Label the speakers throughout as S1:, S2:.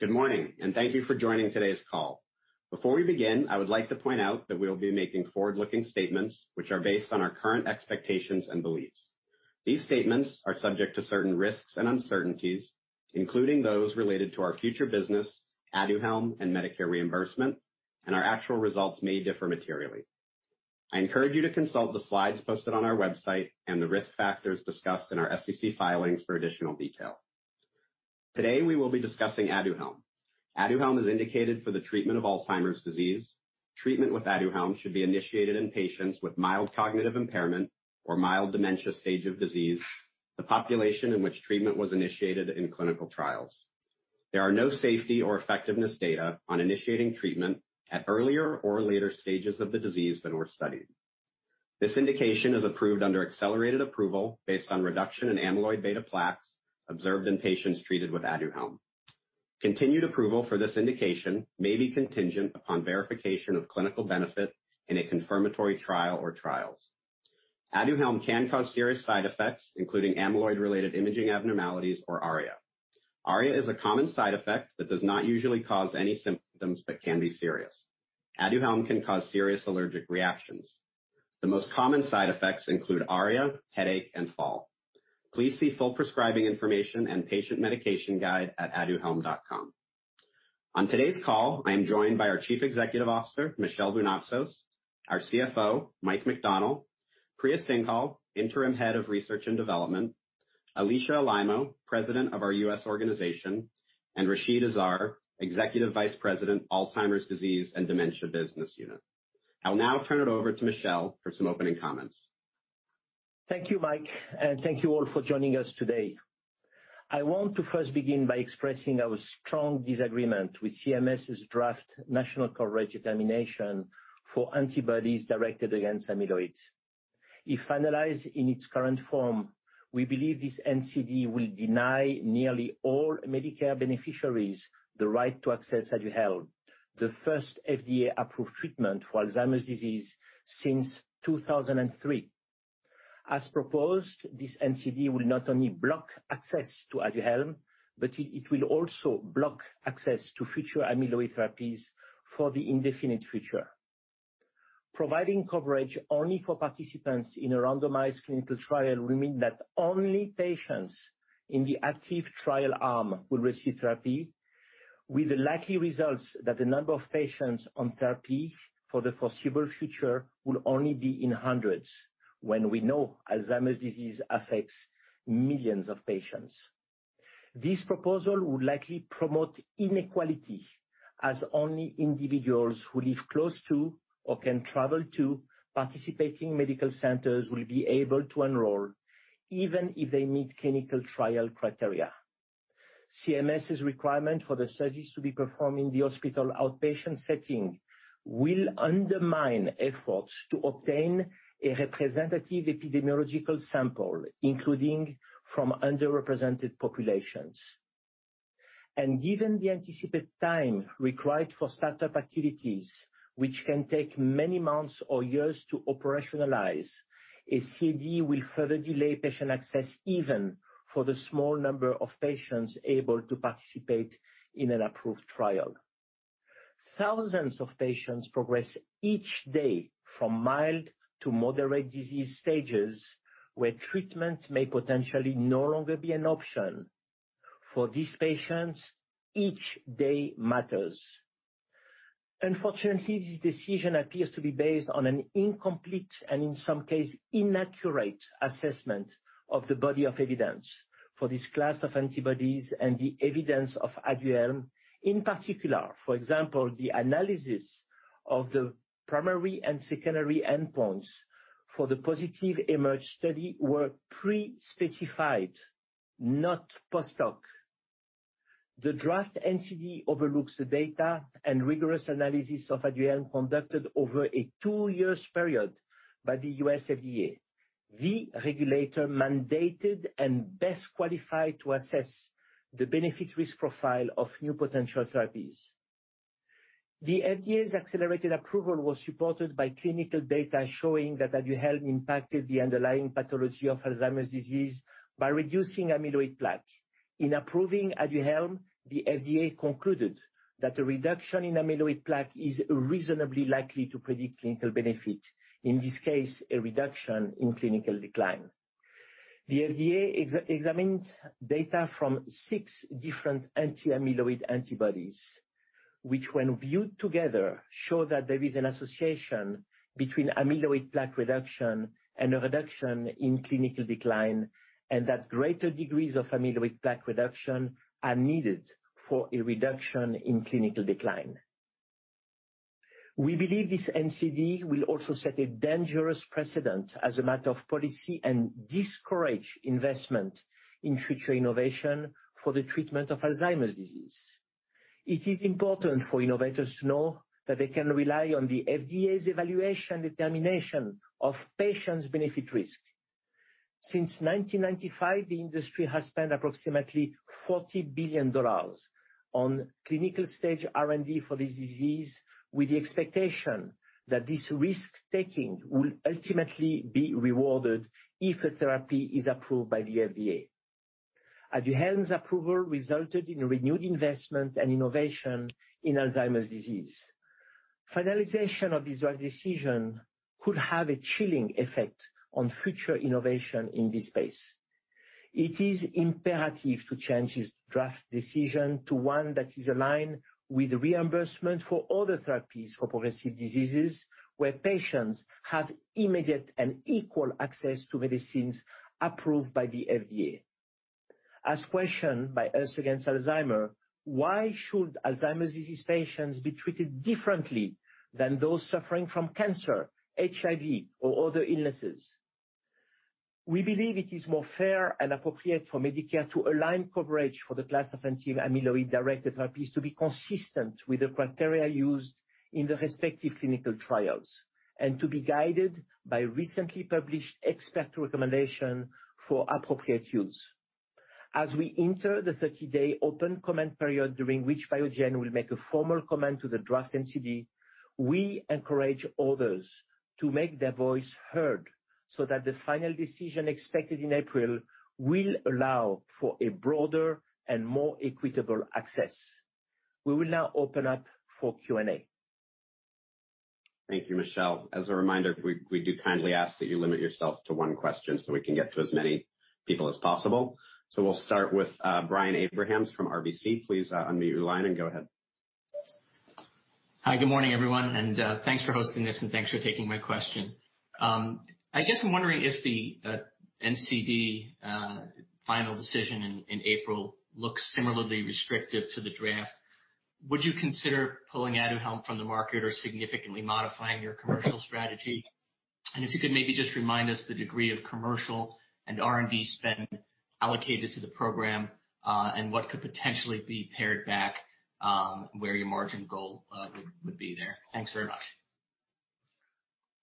S1: Good morning, and thank you for joining today's call. Before we begin, I would like to point out that we will be making forward-looking statements which are based on our current expectations and beliefs. These statements are subject to certain risks and uncertainties, including those related to our future business, ADUHELM and Medicare reimbursement, and our actual results may differ materially. I encourage you to consult the slides posted on our website and the risk factors discussed in our SEC filings for additional detail. Today we will be discussing ADUHELM. ADUHELM is indicated for the treatment of Alzheimer's disease. Treatment with ADUHELM should be initiated in patients with mild cognitive impairment or mild dementia stage of disease, the population in which treatment was initiated in clinical trials. There are no safety or effectiveness data on initiating treatment at earlier or later stages of the disease that were studied. This indication is approved under accelerated approval based on reduction in amyloid beta plaques observed in patients treated with ADUHELM. Continued approval for this indication may be contingent upon verification of clinical benefit in a confirmatory trial or trials. ADUHELM can cause serious side effects, including amyloid-related imaging abnormalities, or ARIA. ARIA is a common side effect that does not usually cause any symptoms but can be serious. ADUHELM can cause serious allergic reactions. The most common side effects include ARIA, headache, and fall. Please see full prescribing information and patient medication guide at aduhelm.com. On today's call, I am joined by our Chief Executive Officer, Michel Vounatsos, our CFO, Mike McDonnell, Priya Singhal, Interim Head of Research and Development, Alisha Alaimo, President of our U.S. organization, and Rachid Izzar, Executive Vice President, Alzheimer's Disease and Dementia Business Unit. I'll now turn it over to Michel for some opening comments.
S2: Thank you, Mike, and thank you all for joining us today. I want to first begin by expressing our strong disagreement with CMS's draft national coverage determination for antibodies directed against amyloid. If finalized in its current form, we believe this NCD will deny nearly all Medicare beneficiaries the right to access ADUHELM, the first FDA-approved treatment for Alzheimer's disease since 2003. As proposed, this NCD will not only block access to ADUHELM, but it will also block access to future amyloid therapies for the indefinite future. Providing coverage only for participants in a randomized clinical trial will mean that only patients in the active trial arm will receive therapy, with the likely results that the number of patients on therapy for the foreseeable future will only be in hundreds when we know Alzheimer's disease affects millions of patients. This proposal would likely promote inequality, as only individuals who live close to or can travel to participating medical centers will be able to enroll even if they meet clinical trial criteria. CMS's requirement for the studies to be performed in the hospital outpatient setting will undermine efforts to obtain a representative epidemiological sample, including from underrepresented populations. Given the anticipated time required for startup activities, which can take many months or years to operationalize, an NCD will further delay patient access even for the small number of patients able to participate in an approved trial. Thousands of patients progress each day from mild to moderate disease stages where treatment may potentially no longer be an option. For these patients, each day matters. Unfortunately, this decision appears to be based on an incomplete and, in some cases, inaccurate assessment of the body of evidence for this class of antibodies and the evidence of ADUHELM in particular. For example, the analysis of the primary and secondary endpoints for the positive EMERGE study were pre-specified, not post hoc. The draft NCD overlooks the data and rigorous analysis of ADUHELM conducted over a two-year period by the U.S. FDA, the regulator mandated and best qualified to assess the benefit risk profile of new potential therapies. The FDA's accelerated approval was supported by clinical data showing that ADUHELM impacted the underlying pathology of Alzheimer's disease by reducing amyloid plaque. In approving ADUHELM, the FDA concluded that the reduction in amyloid plaque is reasonably likely to predict clinical benefit, in this case, a reduction in clinical decline. The FDA examined data from six different anti-amyloid antibodies, which, when viewed together, show that there is an association between amyloid plaque reduction and a reduction in clinical decline and that greater degrees of amyloid plaque reduction are needed for a reduction in clinical decline. We believe this NCD will also set a dangerous precedent as a matter of policy and discourage investment in future innovation for the treatment of Alzheimer's disease. It is important for innovators to know that they can rely on the FDA's evaluation determination of patients' benefit-risk. Since 1995, the industry has spent approximately $40 billion on clinical-stage R&D for this disease, with the expectation that this risk-taking will ultimately be rewarded if a therapy is approved by the FDA. ADUHELM's approval resulted in renewed investment and innovation in Alzheimer's disease. Finalization of this decision could have a chilling effect on future innovation in this space. It is imperative to change this draft decision to one that is aligned with reimbursement for other therapies for progressive diseases, where patients have immediate and equal access to medicines approved by the FDA. As questioned by UsAgainstAlzheimer's, why should Alzheimer's disease patients be treated differently than those suffering from cancer, HIV or other illnesses? We believe it is more fair and appropriate for Medicare to align coverage for the class of anti-amyloid directed therapies to be consistent with the criteria used in the respective clinical trials, and to be guided by recently published expert recommendation for appropriate use. As we enter the 30-day open comment period, during which Biogen will make a formal comment to the draft NCD, we encourage others to make their voice heard so that the final decision expected in April will allow for a broader and more equitable access. We will now open up for Q&A.
S1: Thank you, Michel. As a reminder, we do kindly ask that you limit yourself to one question, so we can get to as many people as possible. We'll start with Brian Abrahams from RBC. Please, unmute your line and go ahead.
S3: Hi, good morning, everyone, and thanks for hosting this and thanks for taking my question. I guess I'm wondering if the NCD final decision in April looks similarly restrictive to the draft. Would you consider pulling ADUHELM from the market or significantly modifying your commercial strategy? If you could maybe just remind us the degree of commercial and R&D spend allocated to the program, and what could potentially be pared back, where your margin goal would be there. Thanks very much.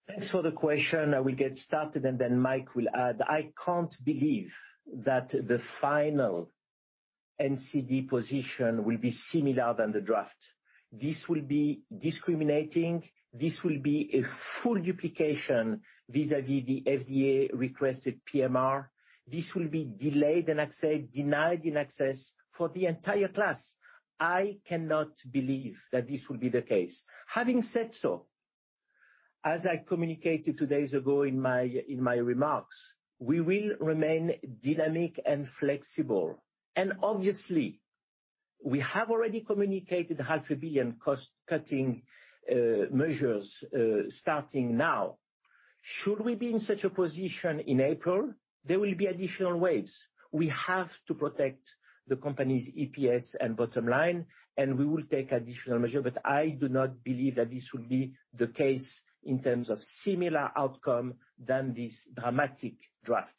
S2: Thanks for the question. I will get started and then Mike will add. I can't believe that the final NCD position will be similar than the draft. This will be discriminating. This will be a full duplication vis-à-vis the FDA-requested PMR. This will be delayed in access, denied in access for the entire class. I cannot believe that this will be the case. Having said so, as I communicated two days ago in my remarks, we will remain dynamic and flexible. Obviously, we have already communicated half a billion cost-cutting measures starting now. Should we be in such a position in April, there will be additional waves. We have to protect the company's EPS and bottom line, and we will take additional measure, but I do not believe that this will be the case in terms of similar outcome than this dramatic draft.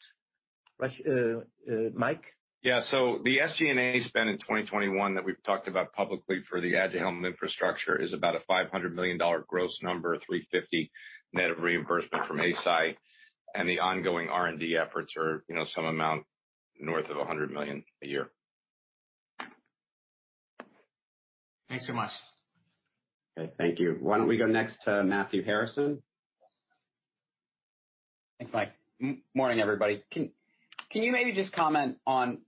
S2: Mike?
S4: Yeah. The SG&A spend in 2021 that we've talked about publicly for the ADUHELM infrastructure is about a $500 million gross number, $350 net of reimbursement from Eisai, and the ongoing R&D efforts are, you know, some amount north of $100 million a year.
S3: Thanks so much.
S1: Okay, thank you. Why don't we go next to Matthew Harrison?
S5: Thanks, Mike. Morning, everybody. Can you maybe just comment on,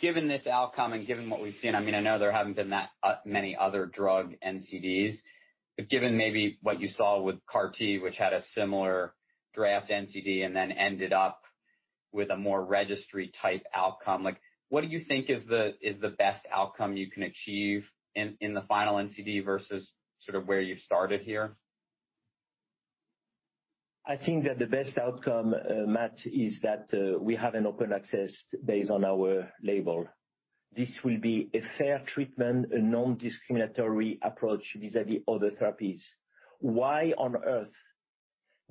S5: given this outcome and given what we've seen, I mean, I know there haven't been that many other drug NCDs, but given maybe what you saw with CAR-T, which had a similar draft NCD and then ended up with a more registry-type outcome. Like, what do you think is the best outcome you can achieve in the final NCD versus sort of where you started here?
S2: I think that the best outcome, Matt, is that we have an open access based on our label. This will be a fair treatment, a non-discriminatory approach vis-à-vis other therapies. Why on earth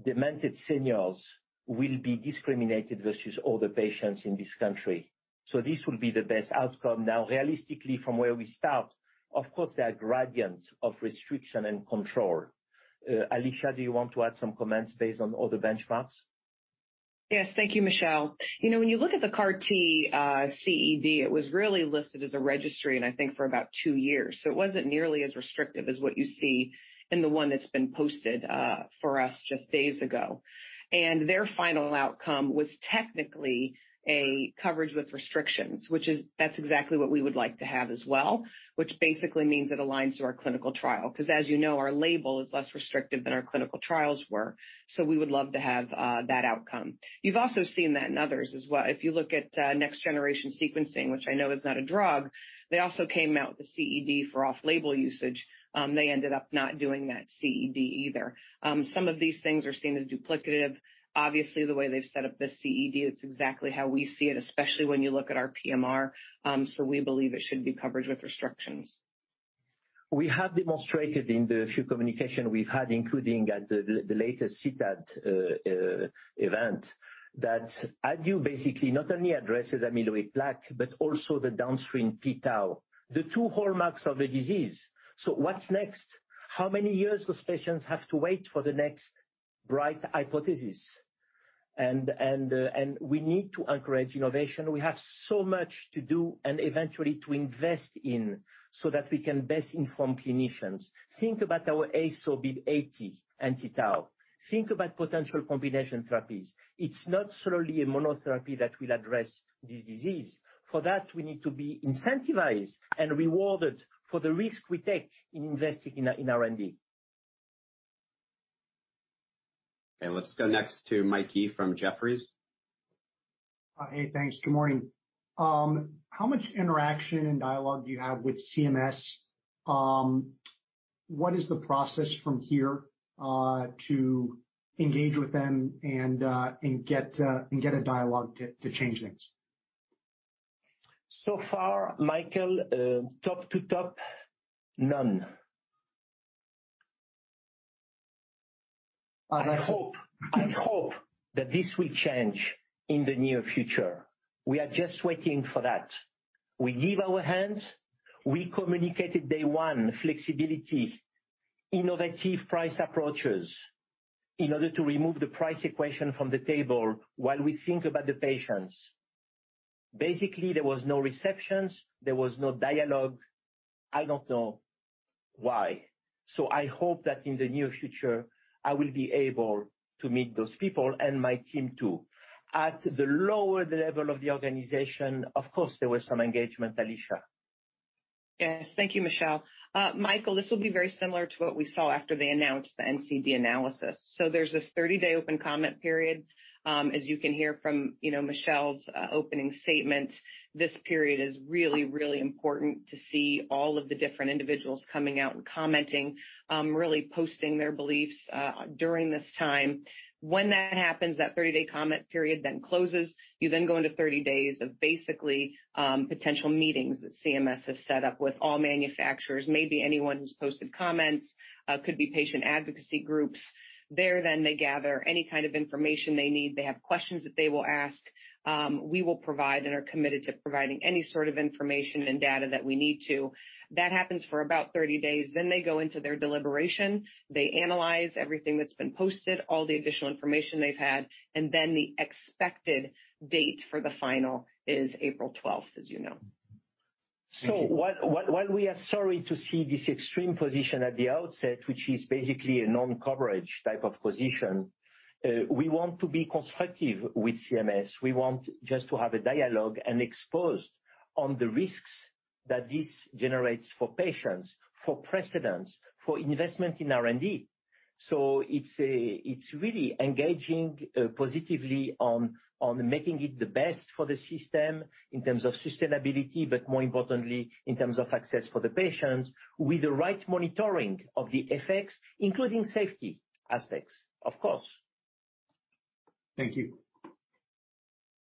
S2: demented seniors will be discriminated versus other patients in this country? This will be the best outcome. Now, realistically, from where we start, of course, there are gradients of restriction and control. Alisha, do you want to add some comments based on other benchmarks?
S6: Yes. Thank you, Michel. You know, when you look at the CAR-T CED, it was really listed as a registry, and I think for about two years. It wasn't nearly as restrictive as what you see in the one that's been posted for us just days ago. Their final outcome was technically a coverage with restrictions, which is, that's exactly what we would like to have as well. Which basically means it aligns to our clinical trial because, as you know, our label is less restrictive than our clinical trials were. We would love to have that outcome. You've also seen that in others as well. If you look at next-generation sequencing, which I know is not a drug, they also came out with a CED for off-label usage. They ended up not doing that CED either. Some of these things are seen as duplicative. Obviously, the way they've set up this CED, it's exactly how we see it, especially when you look at our PMR. We believe it should be coverage with restrictions.
S2: We have demonstrated in the few communications we've had, including at the latest CTAD event, that Adu basically not only addresses amyloid plaque, but also the downstream p-tau, the two hallmarks of the disease. What's next? How many years those patients have to wait for the next right hypothesis? We need to encourage innovation. We have so much to do and eventually to invest in so that we can best inform clinicians. Think about our ASO-based anti-tau. Think about potential combination therapies. It's not solely a monotherapy that will address this disease. For that, we need to be incentivized and rewarded for the risk we take in investing in R&D.
S1: Okay, let's go next to Mike Yee from Jefferies.
S7: Hey, thanks. Good morning. How much interaction and dialogue do you have with CMS? What is the process from here to engage with them and get a dialogue to change things?
S2: So far, Mike, top to top, none.
S7: And I-
S2: I hope that this will change in the near future. We are just waiting for that. We extended our hands. We communicated day one flexibility, innovative price approaches, in order to remove the price equation from the table while we think about the patients. Basically, there was no receptivity. There was no dialogue. I don't know why. I hope that in the near future, I will be able to meet those people and my team too. At the lower level of the organization, of course, there was some engagement. Alisha.
S6: Yes. Thank you, Michel. Michael, this will be very similar to what we saw after they announced the NCD analysis. There's this 30-day open comment period. As you can hear from Michel's opening statements, this period is really, really important to see all of the different individuals coming out and commenting, really posting their beliefs during this time. When that happens, that 30-day comment period then closes. You then go into 30 days of basically potential meetings that CMS has set up with all manufacturers. Maybe anyone who's posted comments could be patient advocacy groups. Then they gather any kind of information they need. They have questions that they will ask. We will provide and are committed to providing any sort of information and data that we need to. That happens for about 30 days. They go into their deliberation. They analyze everything that's been posted, all the additional information they've had, and then the expected date for the final is April twelfth, as you know.
S7: Thank you.
S2: While we are sorry to see this extreme position at the outset, which is basically a non-coverage type of position, we want to be constructive with CMS. We want just to have a dialogue and expose on the risks that this generates for patients, for precedents, for investment in R&D. It's really engaging positively on making it the best for the system in terms of sustainability, but more importantly, in terms of access for the patients with the right monitoring of the effects, including safety aspects, of course.
S7: Thank you.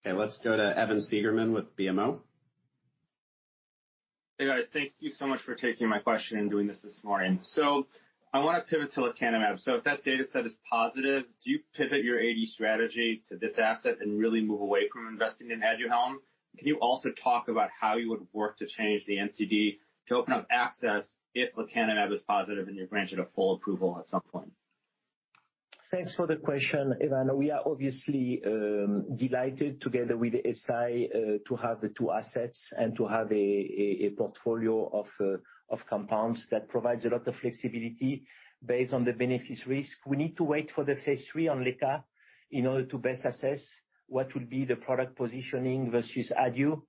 S1: Okay, let's go to Evan Seigerman with BMO.
S8: Hey, guys. Thank you so much for taking my question and doing this morning. I want to pivot to lecanemab. If that data set is positive, do you pivot your AD strategy to this asset and really move away from investing in ADUHELM? Can you also talk about how you would work to change the NCD to open up access if lecanemab is positive and you're granted a full approval at some point?
S2: Thanks for the question, Evan. We are obviously delighted together with Eisai to have the two assets and to have a portfolio of compounds that provides a lot of flexibility based on the benefits risk. We need to wait for the phase III on lecanemab in order to best assess what will be the product positioning versus ADUHELM.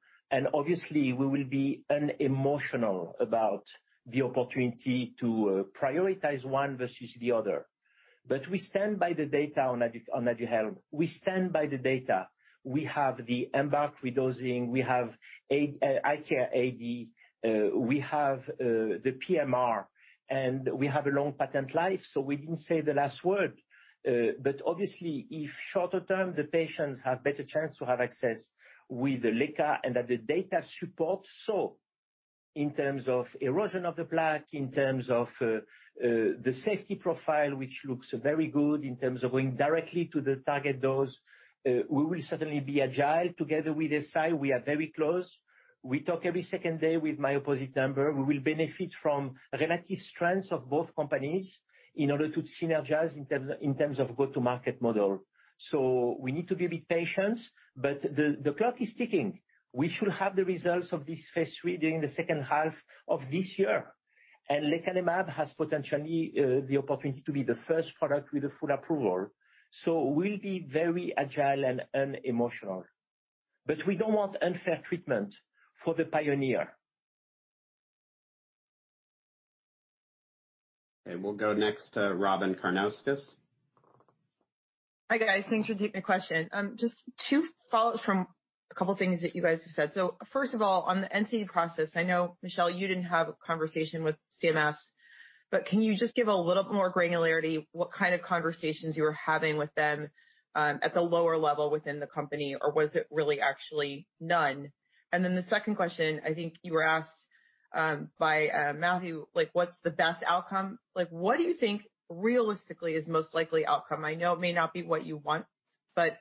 S2: Obviously, we will be unemotional about the opportunity to prioritize one versus the other. We stand by the data on ADUHELM. We stand by the data. We have the EMBARK redosing. We have ICARE-AD. We have the PMR, and we have a long patent life, so we didn't say the last word. Obviously, if shorter term, the patients have better chance to have access with the lecanemab and that the data supports so in terms of erosion of the plaque, in terms of the safety profile, which looks very good, in terms of going directly to the target dose, we will certainly be agile together with Eisai. We are very close. We talk every second day with my opposite number. We will benefit from relative strengths of both companies in order to synergize in terms of go-to-market model. We need to be a bit patient, but the clock is ticking. We should have the results of this phase III during the second half of this year. Lecanemab has potentially the opportunity to be the first product with a full approval. We'll be very agile and unemotional, but we don't want unfair treatment for the pioneer.
S1: Okay, we'll go next to Robyn Karnauskas.
S9: Hi, guys. Thanks for taking the question. Just two follows from a couple of things that you guys have said. First of all, on the NCD process, I know, Michel, you didn't have a conversation with CMS, but can you just give a little more granularity, what kind of conversations you were having with them, at the lower level within the company? Or was it really actually none? And then the second question, I think you were asked, by Matthew, like, what's the best outcome? Like, what do you think realistically is most likely outcome? I know it may not be what you want, but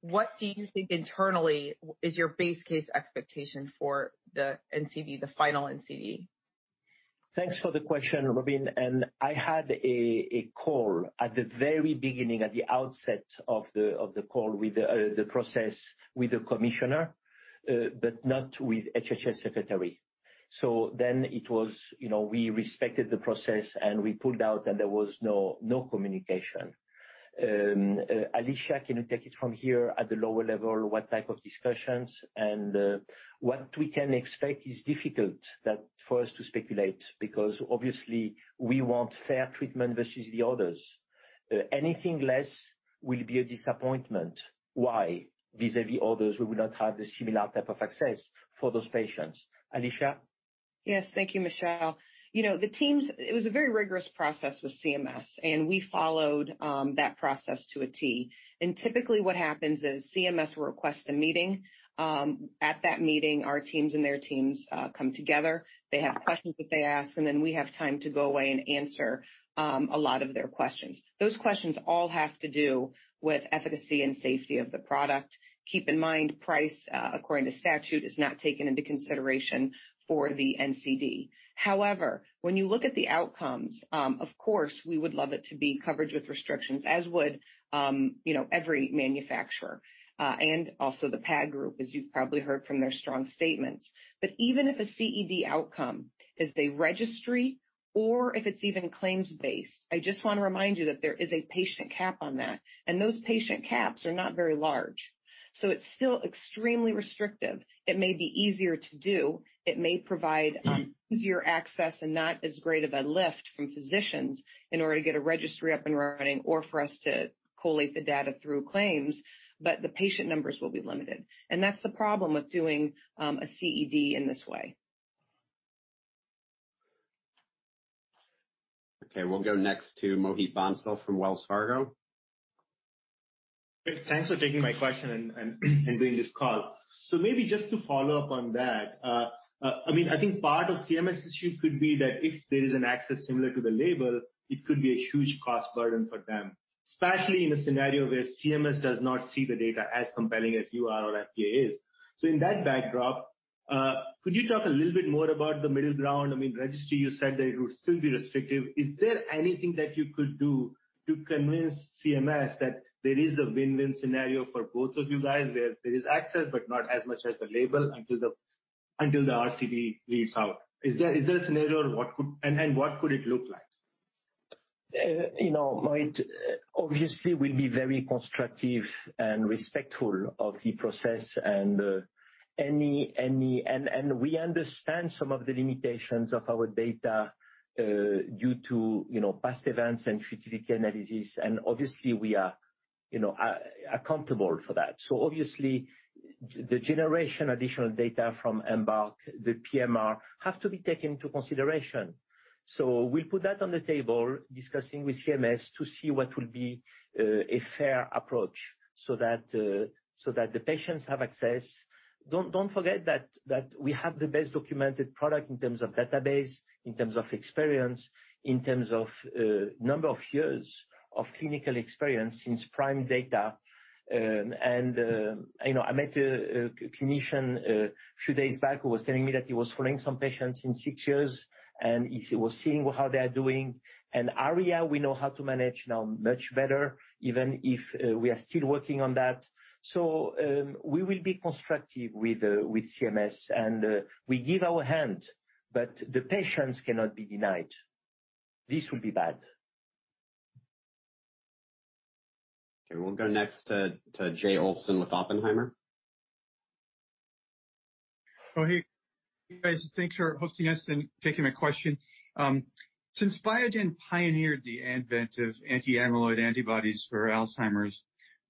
S9: what do you think internally is your base case expectation for the NCD, the final NCD?
S2: Thanks for the question, Robyn. I had a call at the very beginning, at the outset of the process with the commissioner, but not with HHS Secretary. You know, we respected the process, and we pulled out and there was no communication. Alisha Alaimo, can you take it from here at the lower level? What type of discussions and what we can expect is difficult for us to speculate, because obviously we want fair treatment versus the others. Anything less will be a disappointment. Why? Vis-à-vis others who will not have the similar type of access for those patients. Alisha?
S6: Yes. Thank you, Michel. You know, the teams. It was a very rigorous process with CMS, and we followed that process to a T. Typically what happens is CMS will request a meeting. At that meeting, our teams and their teams come together. They have questions that they ask, and then we have time to go away and answer a lot of their questions. Those questions all have to do with efficacy and safety of the product. Keep in mind, price, according to statute, is not taken into consideration for the NCD. However, when you look at the outcomes, of course, we would love it to be coverage with restrictions, as would you know, every manufacturer, and also the PAA group, as you've probably heard from their strong statements. Even if a CED outcome is a registry or if it's even claims-based, I just wanna remind you that there is a patient cap on that, and those patient caps are not very large. It's still extremely restrictive. It may be easier to do. It may provide easier access and not as great of a lift from physicians in order to get a registry up and running or for us to collate the data through claims, but the patient numbers will be limited. That's the problem with doing a CED in this way.
S1: Okay. We'll go next to Mohit Bansal from Wells Fargo.
S10: Thanks for taking my question and doing this call. Maybe just to follow up on that, I mean, I think part of CMS issue could be that if there is an access similar to the label, it could be a huge cost burden for them, especially in a scenario where CMS does not see the data as compelling as you are or FDA is. In that backdrop, could you talk a little bit more about the middle ground? I mean, registry, you said that it would still be restrictive. Is there anything that you could do to convince CMS that there is a win-win scenario for both of you guys, where there is access, but not as much as the label until the RCT reads out? Is there a scenario? What could it look like?
S2: You know, Mohit, obviously, we'll be very constructive and respectful of the process. We understand some of the limitations of our data due to you know, past events and futility analysis. Obviously, we are you know, accountable for that. Obviously, generating additional data from EMBARK, the PMR, have to be taken into consideration. We'll put that on the table, discussing with CMS to see what will be a fair approach so that the patients have access. Don't forget that we have the best documented product in terms of database, in terms of experience, in terms of number of years of clinical experience since PRIME data. You know, I met a clinician few days back who was telling me that he was following some patients in six years, and he was seeing how they are doing. ARIA, we know how to manage now much better, even if we are still working on that. We will be constructive with CMS, and we give our hand, but the patients cannot be denied. This will be bad.
S1: Okay. We'll go next to Jay Olson with Oppenheimer.
S11: Oh, hey. Guys, thanks for hosting us and taking my question. Since Biogen pioneered the advent of anti-amyloid antibodies for Alzheimer's,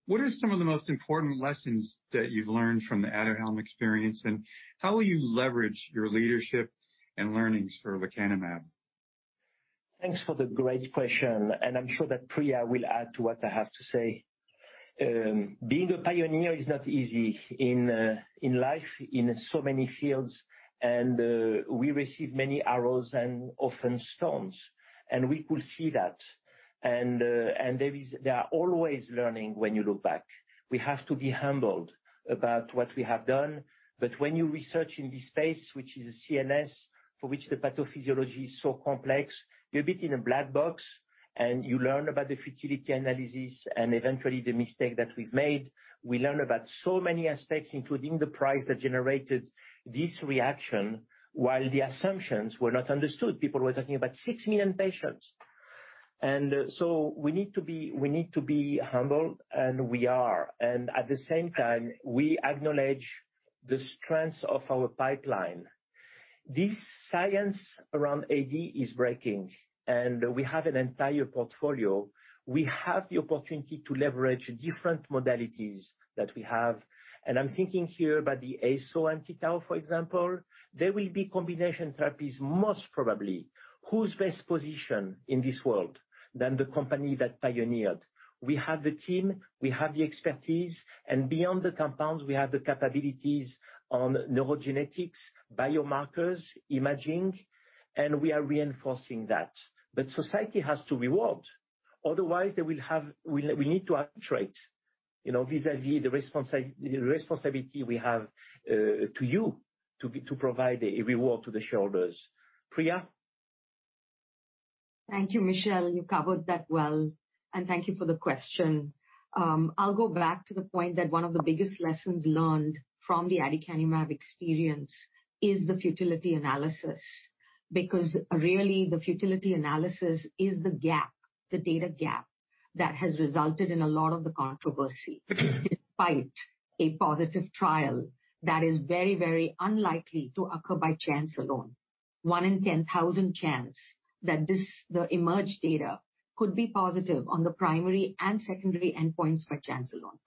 S11: what are some of the most important lessons that you've learned from the ADUHELM experience, and how will you leverage your leadership and learnings for lecanemab?
S2: Thanks for the great question, and I'm sure that Priya will add to what I have to say. Being a pioneer is not easy in life, in so many fields. We receive many arrows and often stones, and we could see that. There are always learnings when you look back. We have to be humbled about what we have done. When you research in this space, which is a CNS, for which the pathophysiology is so complex, you're a bit in a black box, and you learn about the futility analysis and eventually the mistake that we've made. We learn about so many aspects, including the price that generated this reaction, while the assumptions were not understood. People were talking about 6 million patients. We need to be humble, and we are. At the same time, we acknowledge the strengths of our pipeline. This science around AD is breaking, and we have an entire portfolio. We have the opportunity to leverage different modalities that we have. I'm thinking here about the ASO anti-tau, for example. There will be combination therapies, most probably. Who's best positioned in this world than the company that pioneered? We have the team, we have the expertise, and beyond the compounds, we have the capabilities on neurogenetics, biomarkers, imaging, and we are reinforcing that. But society has to reward. Otherwise, they will have. We need to attract. You know, vis-à-vis the responsibility we have to you to provide a reward to the shareholders. Priya?
S12: Thank you, Michel. You covered that well, and thank you for the question. I'll go back to the point that one of the biggest lessons learned from the aducanumab experience is the futility analysis. Because really the futility analysis is the gap, the data gap, that has resulted in a lot of the controversy despite a positive trial that is very, very unlikely to occur by chance alone. 1 in 10,000 chance that this, the EMERGE data could be positive on the primary and secondary endpoints by chance alone.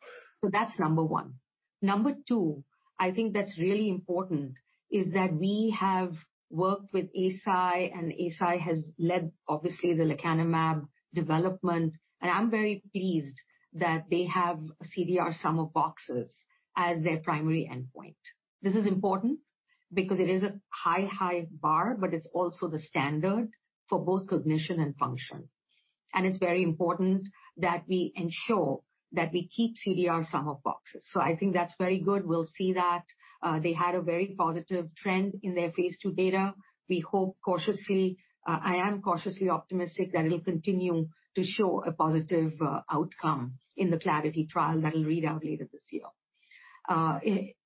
S12: So that's number one. Number two, I think that's really important is that we have worked with Eisai, and Eisai has led obviously the lecanemab development, and I'm very pleased that they have CDR-SB as their primary endpoint. This is important because it is a high bar, but it's also the standard for both cognition and function. It's very important that we ensure that we keep CDR sum of boxes. I think that's very good. We'll see that they had a very positive trend in their phase II data. We hope cautiously, I am cautiously optimistic that it'll continue to show a positive outcome in the Clarity trial that'll read out later this year.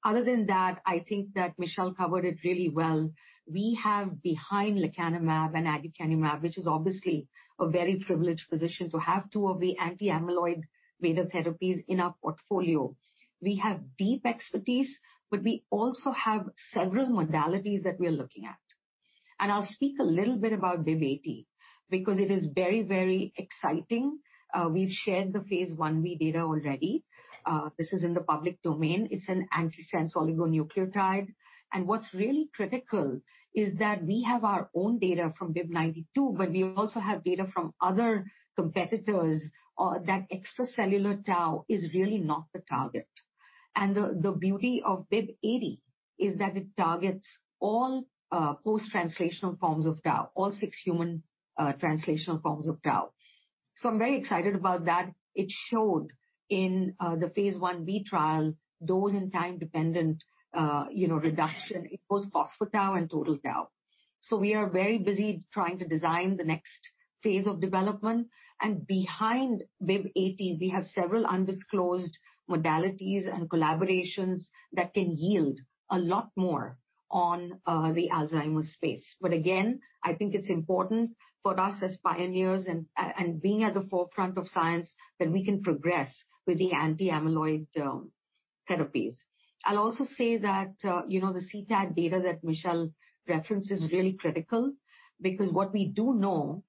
S12: Other than that, I think that Michel covered it really well. We have behind lecanemab and aducanumab, which is obviously a very privileged position to have two of the anti-amyloid beta therapies in our portfolio. We have deep expertise, but we also have several modalities that we are looking at. I'll speak a little bit about BIIB080 because it is very, very exciting. We've shared the phase Ib data already. This is in the public domain. It's an antisense oligonucleotide. What's really critical is that we have our own data from BIIB092, but we also have data from other competitors that extracellular tau is really not the target. The beauty of BIIB080 is that it targets all post-translational forms of tau, all six human translational forms of tau. I'm very excited about that. It showed in the phase Ib trial, dose and time-dependent, you know, reduction in both phospho-tau and total tau. We are very busy trying to design the next phase of development. Behind BIIB080, we have several undisclosed modalities and collaborations that can yield a lot more on the Alzheimer's space. Again, I think it's important for us as pioneers and being at the forefront of science that we can progress with the anti-amyloid therapies. I'll also say that you know, the CTAD data that Michel referenced is really critical because what we do know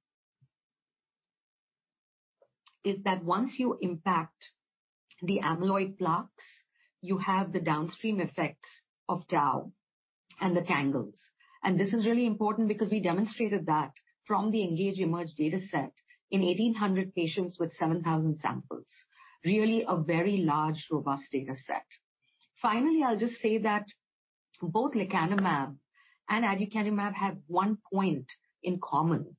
S12: is that once you impact the amyloid plaques, you have the downstream effects of tau and the tangles. This is really important because we demonstrated that from the ENGAGE/EMERGE dataset in 1,800 patients with 7,000 samples. Really a very large, robust dataset. Finally, I'll just say that both lecanemab and aducanumab have one point in common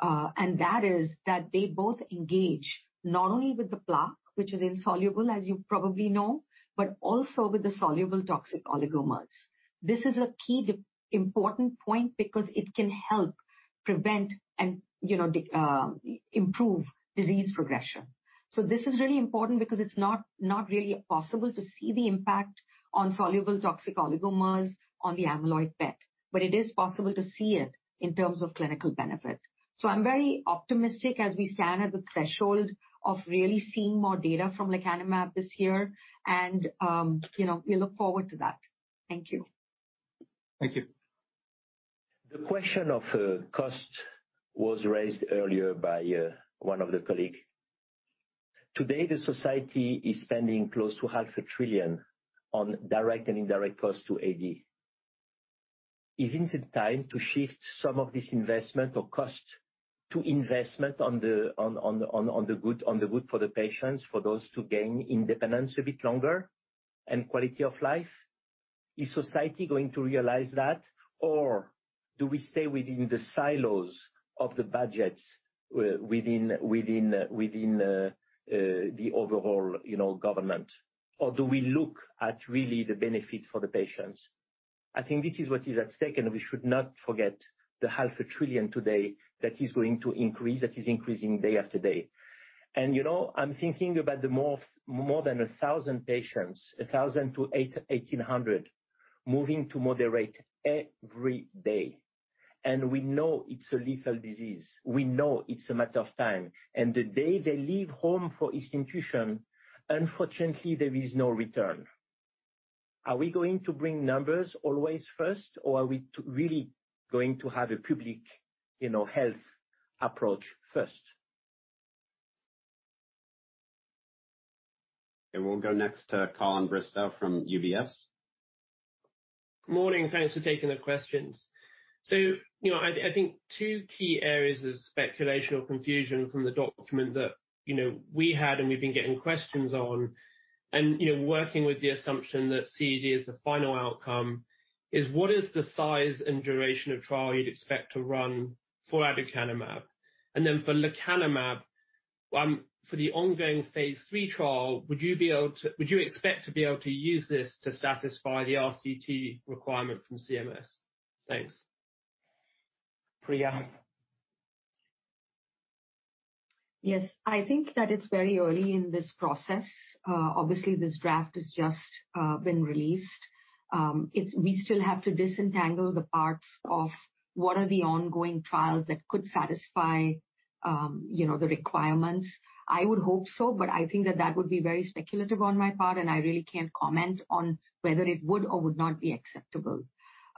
S12: and that is that they both engage not only with the plaque, which is insoluble, as you probably know, but also with the soluble toxic oligomers. This is a key important point because it can help prevent and, you know, improve disease progression. This is really important because it's not really possible to see the impact on soluble toxic oligomers on the amyloid PET, but it is possible to see it in terms of clinical benefit. I'm very optimistic as we stand at the threshold of really seeing more data from lecanemab this year. You know, we look forward to that. Thank you.
S11: Thank you.
S2: The question of cost was raised earlier by one of the colleagues. Today, society is spending close to $ half a trillion on direct and indirect costs to AD. Isn't it time to shift some of this investment or cost to investment on the good for the patients, for those to gain independence a bit longer and quality of life? Is society going to realize that, or do we stay within the silos of the budgets within the overall, you know, government? Or do we look at really the benefit for the patients? I think this is what is at stake, and we should not forget the $ half a trillion today that is going to increase, that is increasing day after day. You know, I'm thinking about the more than 1,000 patients, 1,000 to 1,800, moving to moderate every day. We know it's a lethal disease. We know it's a matter of time. The day they leave home for institution, unfortunately, there is no return. Are we going to bring numbers always first, or are we really going to have a public, you know, health approach first?
S1: We'll go next to Colin Bristow from UBS.
S13: Morning. Thanks for taking the questions. You know, I think two key areas of speculation or confusion from the document that, you know, we had and we've been getting questions on and, you know, working with the assumption that NCD is the final outcome, is what is the size and duration of trial you'd expect to run for aducanumab? For lecanemab, for the ongoing phase III trial, would you expect to be able to use this to satisfy the RCT requirement from CMS? Thanks.
S2: Priya.
S12: Yes. I think that it's very early in this process. Obviously this draft has just been released. We still have to disentangle the parts of what are the ongoing trials that could satisfy, you know, the requirements. I would hope so, but I think that would be very speculative on my part, and I really can't comment on whether it would or would not be acceptable.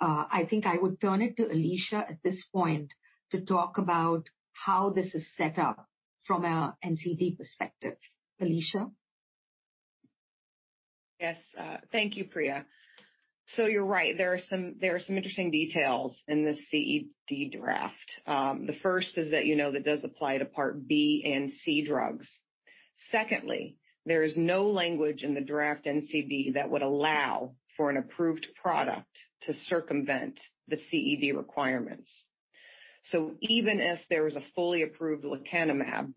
S12: I think I would turn it to Alisha at this point to talk about how this is set up from a NCD perspective. Alisha?
S6: Yes. Thank you, Priya. You're right. There are some interesting details in this CED draft. The first is that, you know, that does apply to Part B and Part C drugs. Secondly, there is no language in the draft NCD that would allow for an approved product to circumvent the CED requirements. Even if there was a fully approved lecanemab,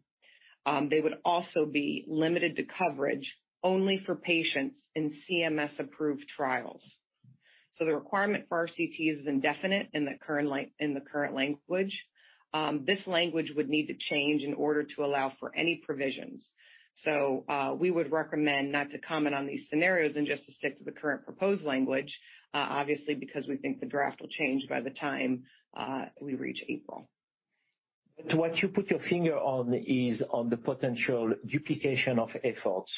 S6: they would also be limited to coverage only for patients in CMS-approved trials. The requirement for RCTs is indefinite in the current language. This language would need to change in order to allow for any provisions. We would recommend not to comment on these scenarios and just to stick to the current proposed language, obviously, because we think the draft will change by the time we reach April.
S2: What you put your finger on is on the potential duplication of efforts.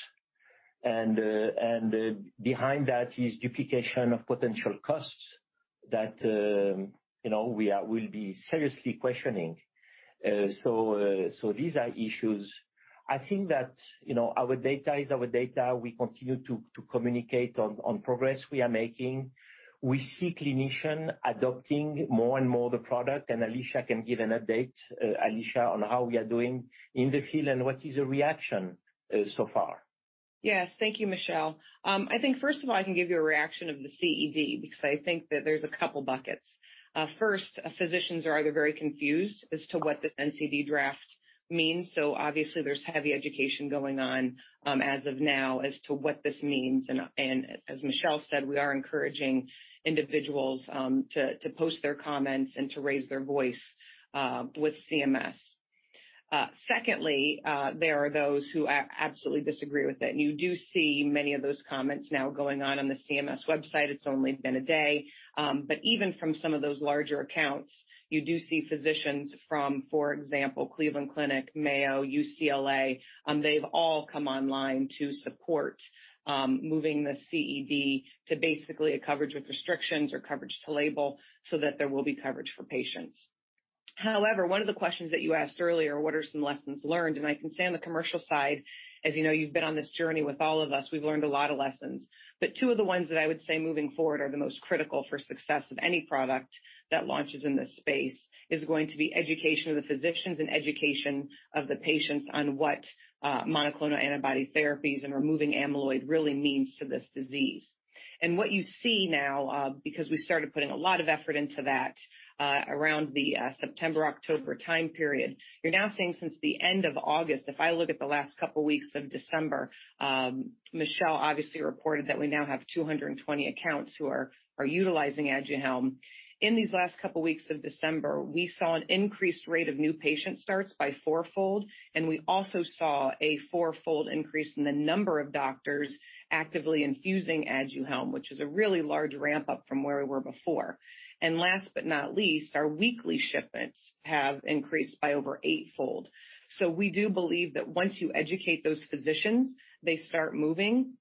S2: Behind that is duplication of potential costs that, you know, we'll be seriously questioning. These are issues. I think that, you know, our data is our data. We continue to communicate on progress we are making. We see clinician adopting more and more the product, and Alisha can give an update. Alisha, on how we are doing in the field and what is the reaction so far.
S6: Yes. Thank you, Michel. I think first of all, I can give you a reaction of the CED because I think that there's a couple buckets. First, physicians are either very confused as to what this NCD draft means, so obviously there's heavy education going on, as of now as to what this means. As Michel said, we are encouraging individuals to post their comments and to raise their voice with CMS. Secondly, there are those who absolutely disagree with it. You do see many of those comments now going on on the CMS website. It's only been a day. Even from some of those larger accounts, you do see physicians from, for example, Cleveland Clinic, Mayo, UCLA, they've all come online to support moving the CED to basically a coverage with restrictions or coverage to label so that there will be coverage for patients. However, one of the questions that you asked earlier, what are some lessons learned? I can say on the commercial side, as you know, you've been on this journey with all of us, we've learned a lot of lessons. Two of the ones that I would say moving forward are the most critical for success of any product that launches in this space is going to be education of the physicians and education of the patients on what monoclonal antibody therapies and removing amyloid really means to this disease. What you see now, because we started putting a lot of effort into that, around the September-October time period, you're now seeing since the end of August, if I look at the last couple weeks of December, Michel obviously reported that we now have 220 accounts who are utilizing ADUHELM. In these last couple weeks of December, we saw an increased rate of new patient starts by four-fold, and we also saw a four-fold increase in the number of doctors actively infusing ADUHELM, which is a really large ramp-up from where we were before. Last but not least, our weekly shipments have increased by over eight-fold. We do believe that once you educate those physicians, they start moving.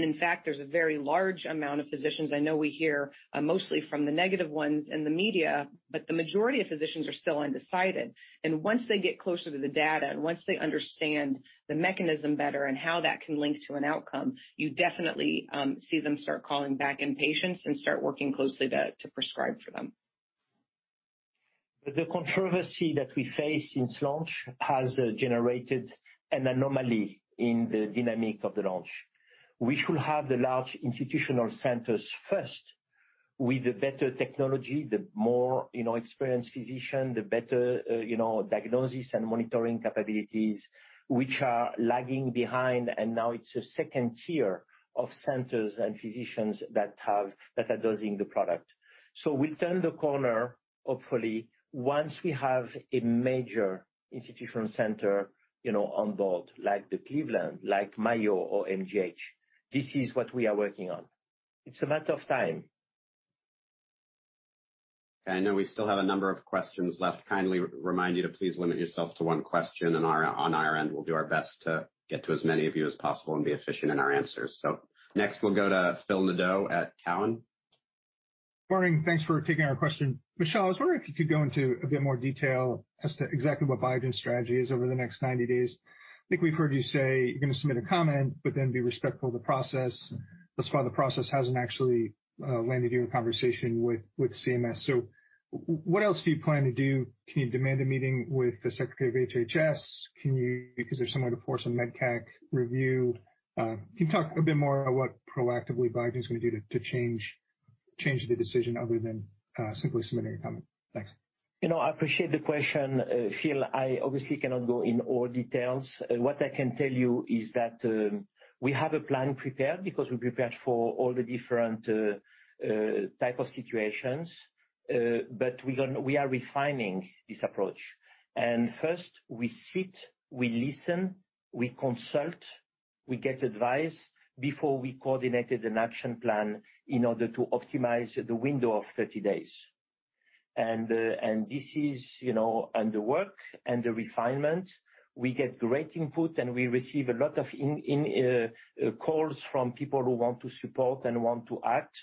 S6: In fact, there's a very large amount of physicians. I know we hear mostly from the negative ones in the media, but the majority of physicians are still undecided. Once they get closer to the data, and once they understand the mechanism better and how that can link to an outcome, you definitely see them start calling back in patients and start working closely to prescribe for them.
S2: The controversy that we face since launch has generated an anomaly in the dynamic of the launch. We should have the large institutional centers first with the better technology, the more, you know, experienced physician, the better, you know, diagnosis and monitoring capabilities, which are lagging behind. Now it's a second tier of centers and physicians that are dosing the product. We turn the corner, hopefully, once we have a major institutional center, you know, on board, like the Cleveland Clinic, like Mayo Clinic or MGH. This is what we are working on. It's a matter of time.
S1: I know we still have a number of questions left. Kindly remind you to please limit yourself to one question. On our end, we'll do our best to get to as many of you as possible and be efficient in our answers. Next, we'll go to Phil Nadeau at Cowen.
S14: Morning. Thanks for taking our question. Michel, I was wondering if you could go into a bit more detail as to exactly what Biogen's strategy is over the next 90 days. I think we've heard you say you're going to submit a comment but then be respectful of the process. Thus far, the process hasn't actually landed you a conversation with CMS. What else do you plan to do? Can you demand a meeting with the Secretary of HHS? Is there some way to force a MEDCAC review? Can you talk a bit more on what proactively Biogen is gonna do to change the decision other than simply submitting a comment. Thanks.
S2: You know, I appreciate the question, Phil. I obviously cannot go into all details. What I can tell you is that we have a plan prepared because we prepared for all the different type of situations. We are refining this approach. First, we sit, we listen, we consult, we get advice before we coordinate an action plan in order to optimize the window of 30 days. This is, you know, underway and the refinement, we get great input, and we receive a lot of calls from people who want to support and want to act.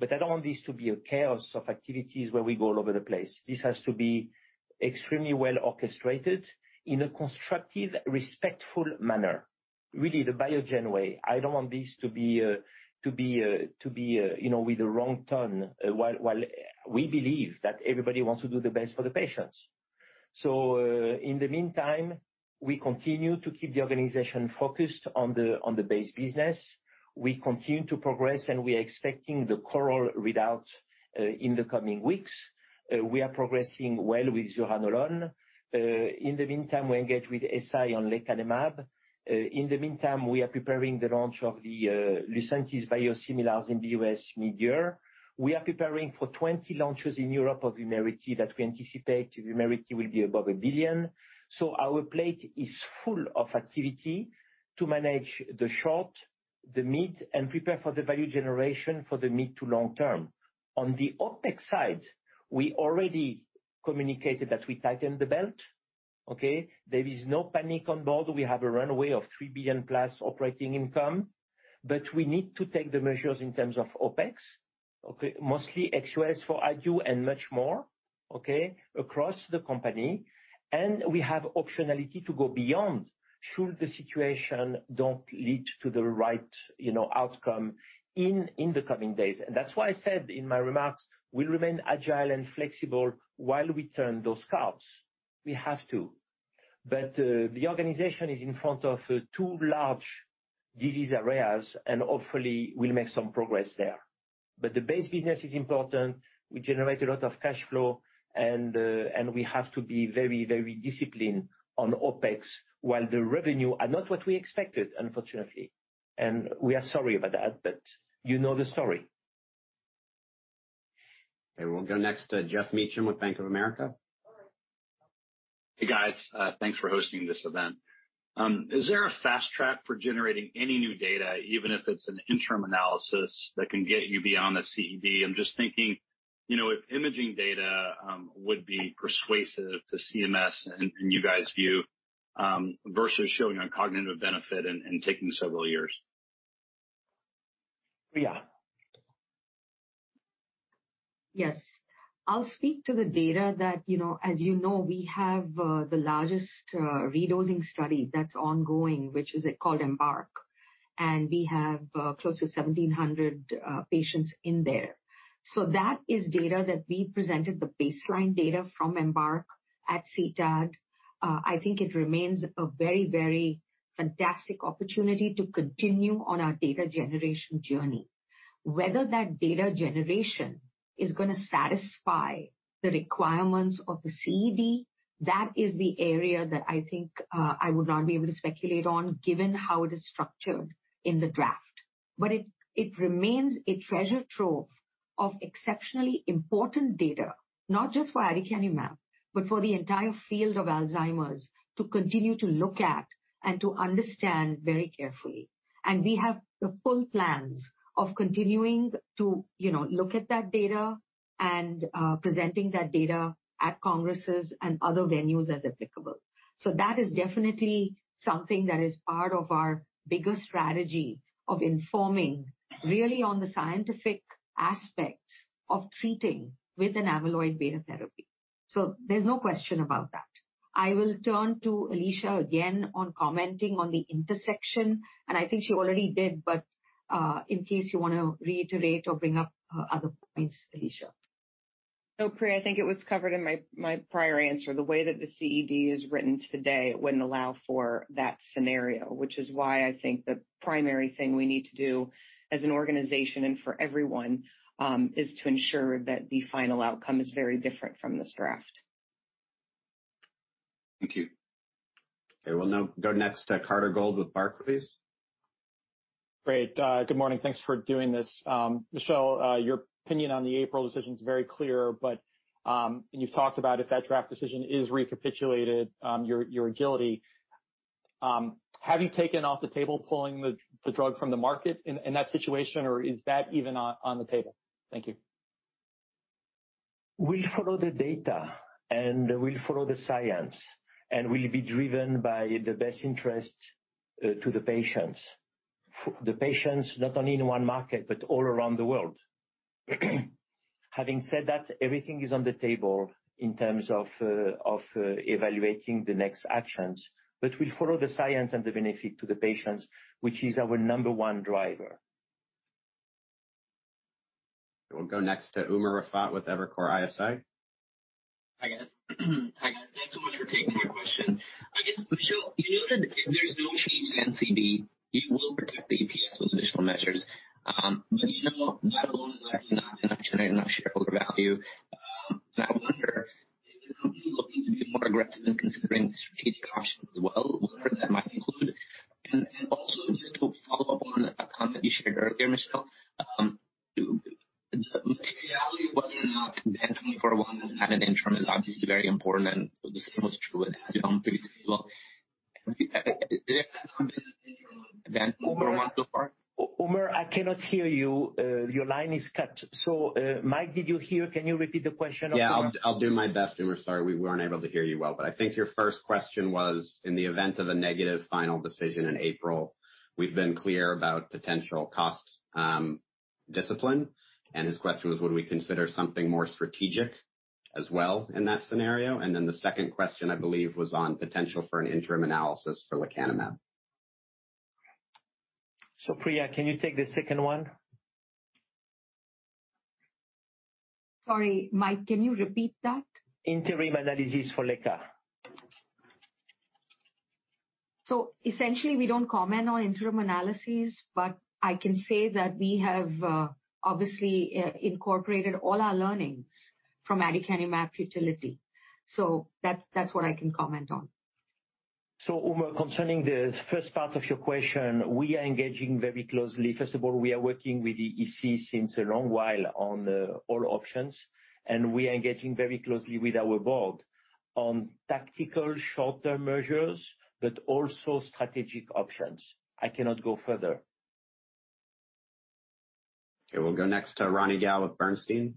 S2: I don't want this to be a chaos of activities where we go all over the place. This has to be extremely well orchestrated in a constructive, respectful manner. Really, the Biogen way. I don't want this to be a you know with the wrong tone while we believe that everybody wants to do the best for the patients. In the meantime, we continue to keep the organization focused on the base business. We continue to progress, and we are expecting the CORAL readout in the coming weeks. We are progressing well with zuranolone. In the meantime, we engage with Eisai on lecanemab. In the meantime, we are preparing the launch of the Lucentis biosimilars in the U.S. mid-year. We are preparing for 20 launches in Europe of VUMERITY that we anticipate VUMERITY will be above $1 billion. Our plate is full of activity to manage the short, the mid, and prepare for the value generation for the mid to long term. On the OpEx side, we already communicated that we tightened the belt, okay? There is no panic on board. We have a runway of $3 billion-plus operating income, but we need to take the measures in terms of OpEx, okay? Mostly SG&A for ADU and much more, okay? Across the company. We have optionality to go beyond should the situation don't lead to the right, you know, outcome in the coming days. That's why I said in my remarks, we remain agile and flexible while we turn those cards. We have to. The organization is in front of two large disease areas, and hopefully we'll make some progress there. The base business is important. We generate a lot of cash flow, and we have to be very, very disciplined on OpEx while the revenue are not what we expected, unfortunately. We are sorry about that, but you know the story.
S1: Okay, we'll go next to Geoff Meacham with Bank of America.
S15: Hey, guys. Thanks for hosting this event. Is there a fast track for generating any new data, even if it's an interim analysis that can get you beyond the CED? I'm just thinking, you know, if imaging data would be persuasive to CMS and you guys' view versus showing cognitive benefit and taking several years.
S2: Priya.
S12: Yes. I'll speak to the data that, you know, as you know, we have the largest redosing study that's ongoing, which is called EMBARK, and we have close to 1700 patients in there. That is data that we presented the baseline data from EMBARK at CTAD. I think it remains a very, very fantastic opportunity to continue on our data generation journey. Whether that data generation is gonna satisfy the requirements of the CED, that is the area that I think I would not be able to speculate on given how it is structured in the draft. But it remains a treasure trove of exceptionally important data, not just for aducanumab, but for the entire field of Alzheimer's to continue to look at and to understand very carefully. We have the full plans of continuing to, you know, look at that data and, presenting that data at congresses and other venues as applicable. That is definitely something that is part of our bigger strategy of informing really on the scientific aspects of treating with an amyloid beta therapy. There's no question about that. I will turn to Alisha again on commenting on the intersection, and I think she already did, but, in case you wanna reiterate or bring up, other points, Alisha.
S6: No, Priya. I think it was covered in my prior answer. The way that the CED is written today, it wouldn't allow for that scenario, which is why I think the primary thing we need to do as an organization and for everyone is to ensure that the final outcome is very different from this draft.
S15: Thank you.
S1: Okay, we'll now go next to Carter Gould with Barclays.
S16: Great. Good morning. Thanks for doing this. Michel, your opinion on the April decision is very clear, but you've talked about if that draft decision is recapitulated, your agility. Have you taken off the table pulling the drug from the market in that situation, or is that even on the table? Thank you.
S2: We'll follow the data, and we'll follow the science, and we'll be driven by the best interest to the patients. The patients not only in one market but all around the world. Having said that, everything is on the table in terms of evaluating the next actions, but we follow the science and the benefit to the patients, which is our number one driver.
S1: We'll go next to Umer Raffat with Evercore ISI.
S17: Hi, guys. I guess, Michel, you noted if there's no change to NCD, you will protect the EPS with additional measures. You know that alone is actually not going to generate enough shareholder value. I wonder if the company looking to be more aggressive in considering strategic options as well, whatever that might include. Also just to follow up on a comment you shared earlier, Michel, the materiality whether or not the anti-amyloid has had an interim is obviously very important and the same was true with ADUHELM previously as well over a month so far.
S2: Umer, I cannot hear you. Your line is cut. Mike, did you hear? Can you repeat the question of Umer?
S1: Yeah, I'll do my best, Umer. Sorry, we weren't able to hear you well, but I think your first question was in the event of a negative final decision in April. We've been clear about potential cost discipline. His question was would we consider something more strategic as well in that scenario? Then the second question, I believe, was on potential for an interim analysis for lecanemab.
S2: Priya, can you take the second one?
S12: Sorry, Mike, can you repeat that?
S2: Interim analysis for lecanemab.
S12: Essentially we don't comment on interim analysis, but I can say that we have obviously incorporated all our learnings from aducanumab futility. That's what I can comment on.
S2: Umer, concerning the first part of your question, we are engaging very closely. First of all, we are working with the EC since a long while on all options, and we are engaging very closely with our board on tactical short-term measures, but also strategic options. I cannot go further.
S1: Okay, we'll go next to Ronny Gal with Bernstein.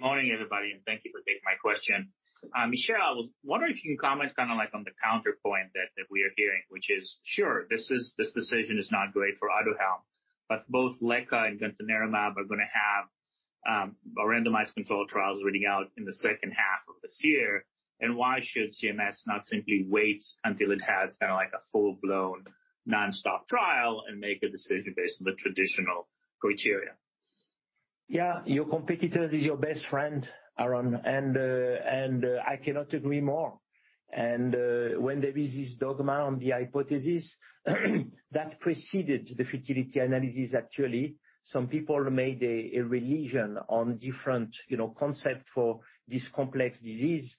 S18: Morning, everybody, and thank you for taking my question. Michel, I was wondering if you can comment kinda like on the counterpoint that we are hearing, which is, sure, this decision is not great for ADUHELM, but both lecanemab and donanemab are gonna have a randomized controlled trials reading out in the second half of this year. Why should CMS not simply wait until it has kinda like a full-blown nonstop trial and make a decision based on the traditional criteria?
S2: Yeah, your competitor is your best friend, Ron, and I cannot agree more. When there is this dogma on the hypothesis that preceded the futility analysis, actually, some people made a religion on different, you know, concept for this complex disease.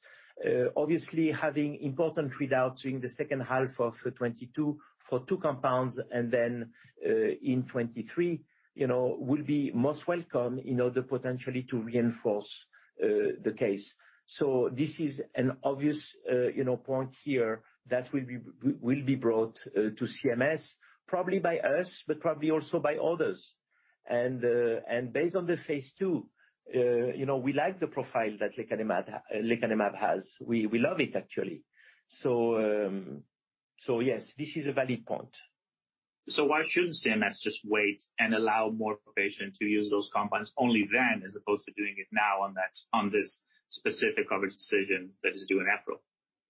S2: Obviously having important readouts during the second half of 2022 for two compounds and then in 2023, you know, will be most welcome in order potentially to reinforce the case. This is an obvious, you know, point here that will be brought to CMS, probably by us, but probably also by others. Based on the phase II, you know, we like the profile that lecanemab has. We love it actually. Yes, this is a valid point.
S18: Why shouldn't CMS just wait and allow more prescribers to use those compounds only then as opposed to doing it now on that, on this specific coverage decision that is due in April?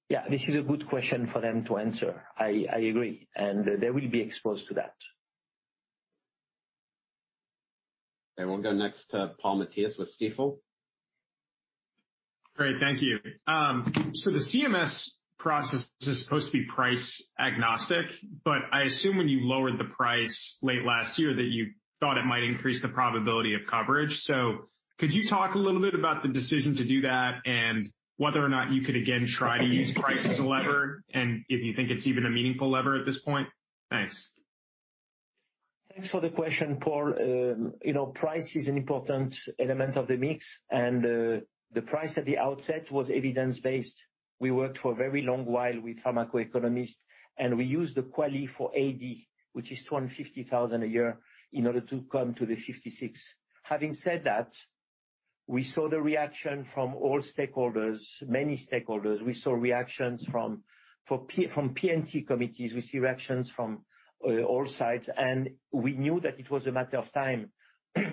S2: Yeah, this is a good question for them to answer. I agree, and they will be exposed to that.
S1: We'll go next to Paul Matteis with Stifel.
S19: Great. Thank you. The CMS process is supposed to be price-agnostic, but I assume when you lowered the price late last year that you thought it might increase the probability of coverage. Could you talk a little bit about the decision to do that and whether or not you could again try to use price as a lever, and if you think it's even a meaningful lever at this point? Thanks.
S2: Thanks for the question, Paul. You know, price is an important element of the mix, and the price at the outset was evidence-based. We worked for a very long while with pharmacoeconomists, and we used the QALY for AD, which is $250,000 a year, in order to come to the $56,000. Having said that, we saw the reaction from all stakeholders, many stakeholders. We saw reactions from P&T committees. We see reactions from all sides, and we knew that it was a matter of time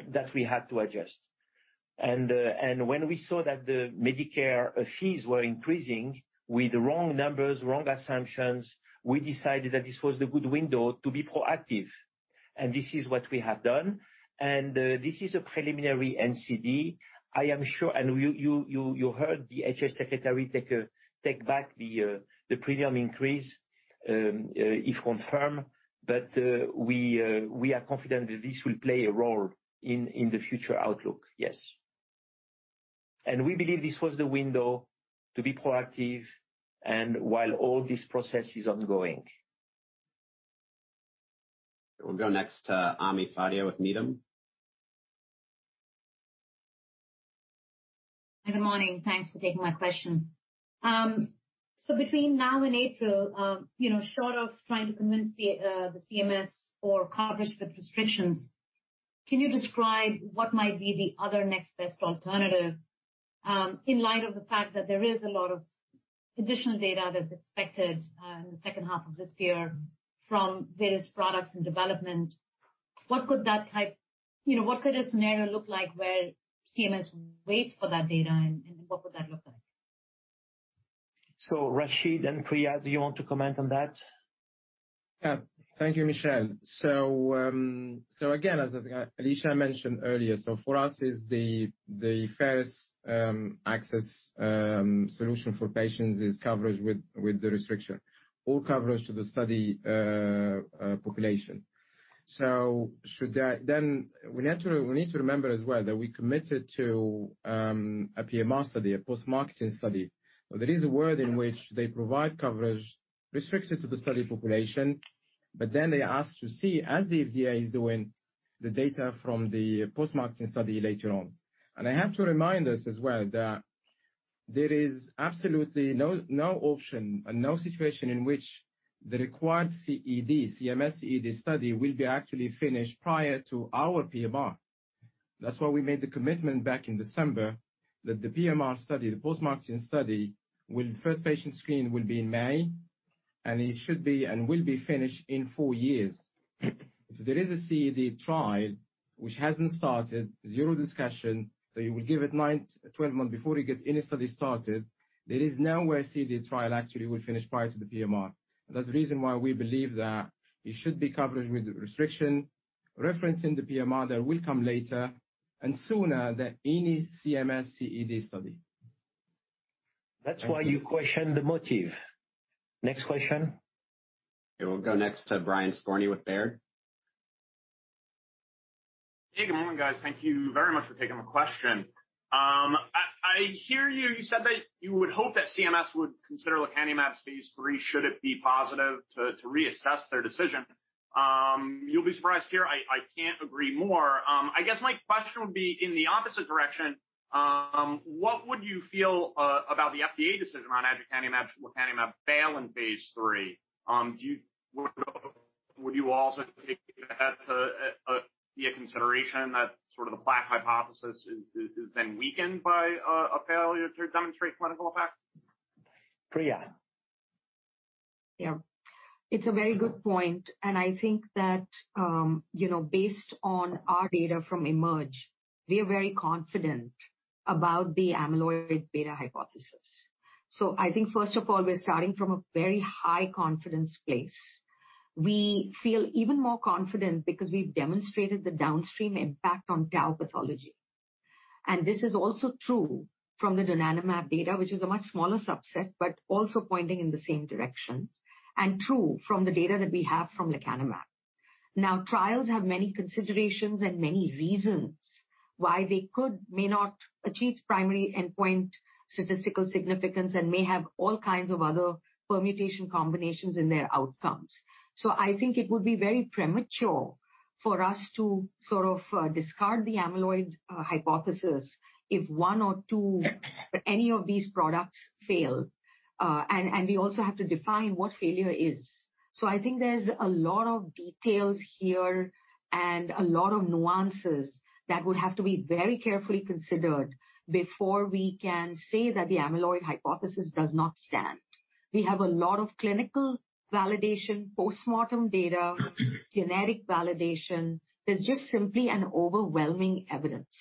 S2: that we had to adjust. When we saw that the Medicare fees were increasing with wrong numbers, wrong assumptions, we decided that this was the good window to be proactive, and this is what we have done. This is a preliminary NCD. I am sure... You heard the HHS secretary take back the premium increase, if confirmed. We are confident that this will play a role in the future outlook, yes. We believe this was the window to be proactive and while all this process is ongoing.
S1: We'll go next to Ami Fadia with Needham.
S20: Good morning. Thanks for taking my question. Between now and April, you know, short of trying to convince the CMS for coverage with restrictions, can you describe what might be the other next best alternative, in light of the fact that there is a lot of additional data that's expected in the second half of this year from various products in development? You know, what could a scenario look like where CMS waits for that data and what would that look like?
S2: Rachid and Priya, do you want to comment on that?
S21: Yeah. Thank you, Michel. Again, as Alisha mentioned earlier, for us the first access solution for patients is coverage with the restriction or coverage to the study population. We need to remember as well that we committed to a PMR study, a post-marketing study. There is a world in which they provide coverage restricted to the study population, but then they ask to see, as the FDA is doing, the data from the post-marketing study later on. I have to remind us as well that there is absolutely no option and no situation in which the required CED, CMS CED study will be actually finished prior to our PMR. That's why we made the commitment back in December that the PMR study, the post-marketing study, will first patient screen will be in May, and it should be and will be finished in four years. If there is a CED trial which hasn't started, zero discussion, so you will give it 9, 12 months before you get any study started, there is no way a CED trial actually will finish prior to the PMR. That's the reason why we believe that it should be covered with restriction referencing the PMR that will come later and sooner than any CMS CED study.
S2: That's why you question the motive. Next question.
S1: We'll go next to Brian Skorney with Baird.
S22: Hey, good morning, guys. Thank you very much for taking my question. I hear you. You said that you would hope that CMS would consider lecanemab phase III should it be positive to reassess their decision. You'll be surprised here. I can't agree more. I guess my question would be in the opposite direction. What would you feel about the FDA decision on aducanumab if lecanemab fails in phase III? Would you also take that as a consideration that sort of the plaque hypothesis is then weakened by a failure to demonstrate clinical effect?
S2: Priya.
S12: Yeah. It's a very good point, and I think that, you know, based on our data from EMERGE, we are very confident about the amyloid beta hypothesis. I think first of all, we're starting from a very high confidence place. We feel even more confident because we've demonstrated the downstream impact on tau pathology. This is also true from the donanemab data, which is a much smaller subset, but also pointing in the same direction, and true from the data that we have from lecanemab. Now, trials have many considerations and many reasons why they may not achieve primary endpoint statistical significance and may have all kinds of other permutation combinations in their outcomes. I think it would be very premature for us to sort of discard the amyloid hypothesis if one or two or any of these products fail. We also have to define what failure is. I think there's a lot of details here and a lot of nuances that would have to be very carefully considered before we can say that the amyloid hypothesis does not stand. We have a lot of clinical validation, postmortem data, genetic validation. There's just simply an overwhelming evidence.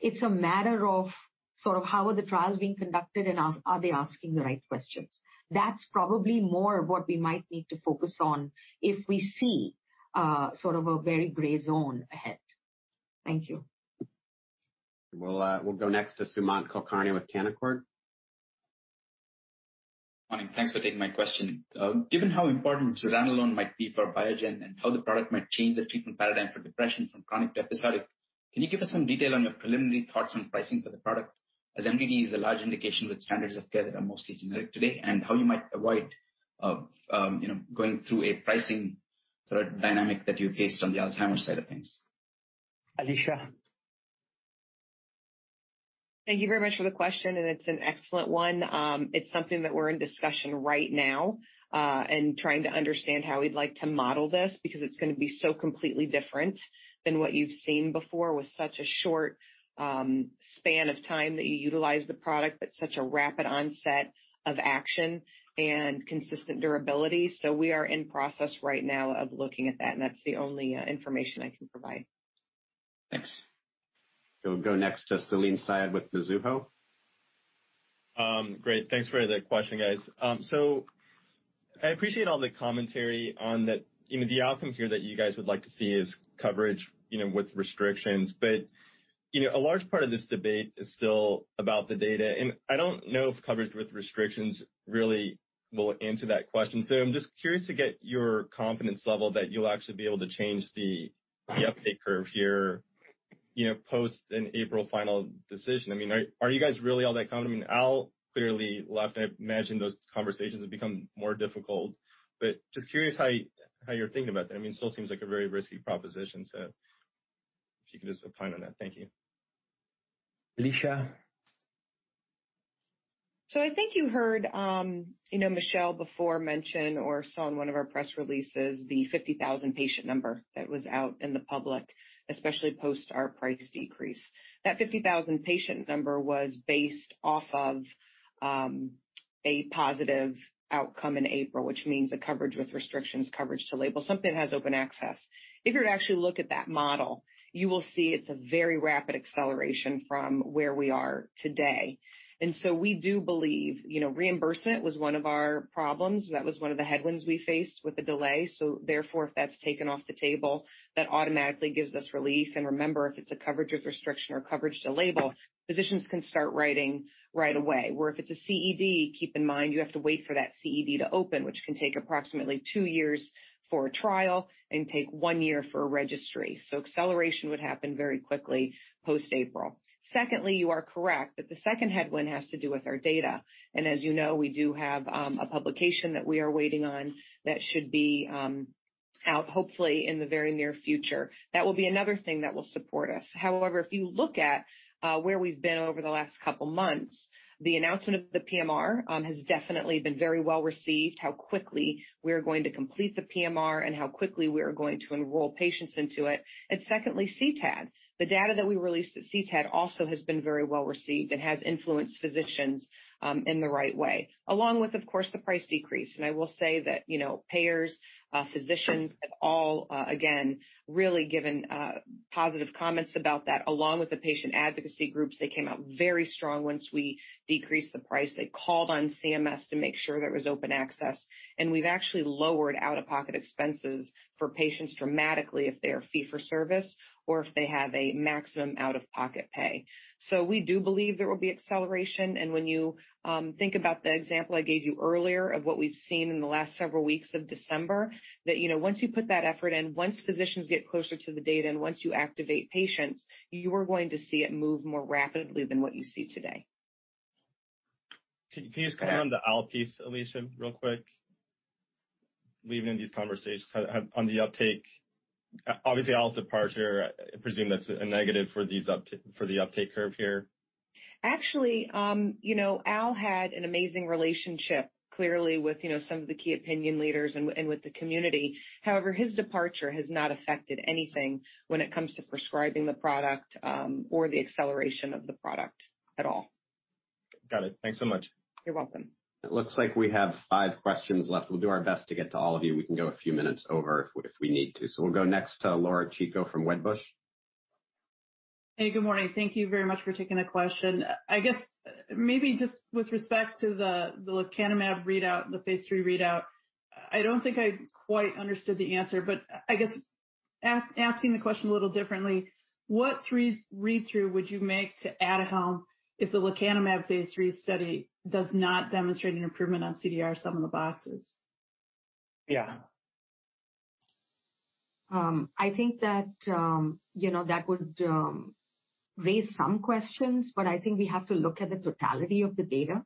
S12: It's a matter of sort of how are the trials being conducted and are they asking the right questions. That's probably more what we might need to focus on if we see sort of a very gray zone ahead. Thank you.
S1: We'll go next to Sumant Kulkarni with Canaccord.
S23: Morning. Thanks for taking my question. Given how important zuranolone might be for Biogen and how the product might change the treatment paradigm for depression from chronic to episodic, can you give us some detail on your preliminary thoughts on pricing for the product, as MDD is a large indication with standards of care that are mostly generic today, and how you might avoid going through a pricing sort of dynamic that you faced on the Alzheimer's side of things?
S2: Alisha.
S6: Thank you very much for the question, and it's an excellent one. It's something that we're in discussion right now, and trying to understand how we'd like to model this because it's gonna be so completely different than what you've seen before with such a short span of time that you utilize the product, but such a rapid onset of action and consistent durability. We are in process right now of looking at that, and that's the only information I can provide.
S23: Thanks.
S1: We'll go next to Salim Syed with Mizuho.
S24: Great. Thanks for the question, guys. I appreciate all the commentary on that. You know, the outcome here that you guys would like to see is coverage, you know, with restrictions. A large part of this debate is still about the data, and I don't know if coverage with restrictions really will answer that question. I'm just curious to get your confidence level that you'll actually be able to change the uptake curve here, you know, post an April final decision. I mean, are you guys really all that confident? I mean, Al clearly left. I imagine those conversations have become more difficult. Just curious how you're thinking about that. I mean, it still seems like a very risky proposition. If you could just opine on that. Thank you.
S2: Alisha.
S6: I think you heard, you know, Michel before mention or saw in one of our press releases the 50,000 patient number that was out in the public, especially post our price decrease. That 50,000 patient number was based off of a positive outcome in April, which means a coverage with restrictions, coverage to label something that has open access. If you were to actually look at that model, you will see it's a very rapid acceleration from where we are today. We do believe, you know, reimbursement was one of our problems. That was one of the headwinds we faced with the delay. Therefore, if that's taken off the table, that automatically gives us relief. Remember, if it's a coverage with restriction or coverage to label, physicians can start writing right away. Where if it's a CED, keep in mind, you have to wait for that CED to open, which can take approximately two years for a trial and take one year for a registry. Acceleration would happen very quickly post-April. Secondly, you are correct that the second headwind has to do with our data. As you know, we do have a publication that we are waiting on that should be out hopefully in the very near future. That will be another thing that will support us. However, if you look at where we've been over the last couple of months, the announcement of the PMR has definitely been very well-received, how quickly we are going to complete the PMR and how quickly we are going to enroll patients into it. Secondly, CTAD. The data that we released at CTAD also has been very well-received and has influenced physicians in the right way, along with, of course, the price decrease. I will say that, you know, payers, physicians have all again really given positive comments about that, along with the patient advocacy groups. They came out very strong once we decreased the price. They called on CMS to make sure there was open access. We've actually lowered out-of-pocket expenses for patients dramatically if they are fee for service or if they have a maximum out-of-pocket pay. We do believe there will be acceleration. When you think about the example I gave you earlier of what we've seen in the last several weeks of December, that once you put that effort in, once physicians get closer to the data, and once you activate patients, you are going to see it move more rapidly than what you see today.
S24: Can you just comment on the Al piece, Alisha, real quick? Leaving in these conversations on the uptake. Obviously, Al's departure, I presume that's a negative for the uptake curve here.
S6: Actually, you know, Al had an amazing relationship clearly with, you know, some of the key opinion leaders and with the community. However, his departure has not affected anything when it comes to prescribing the product, or the acceleration of the product at all.
S24: Got it. Thanks so much.
S6: You're welcome.
S1: It looks like we have five questions left. We'll do our best to get to all of you. We can go a few minutes over if we need to. We'll go next to Laura Chico from Wedbush.
S25: Hey, good morning. Thank you very much for taking the question. I guess maybe just with respect to the lecanemab readout, the phase III readout, I don't think I quite understood the answer, but I guess asking the question a little differently, what read-through would you make to ADUHELM if the lecanemab phase III study does not demonstrate an improvement on CDR sum of the boxes?
S2: Priya.
S12: I think that, you know, that would raise some questions, but I think we have to look at the totality of the data.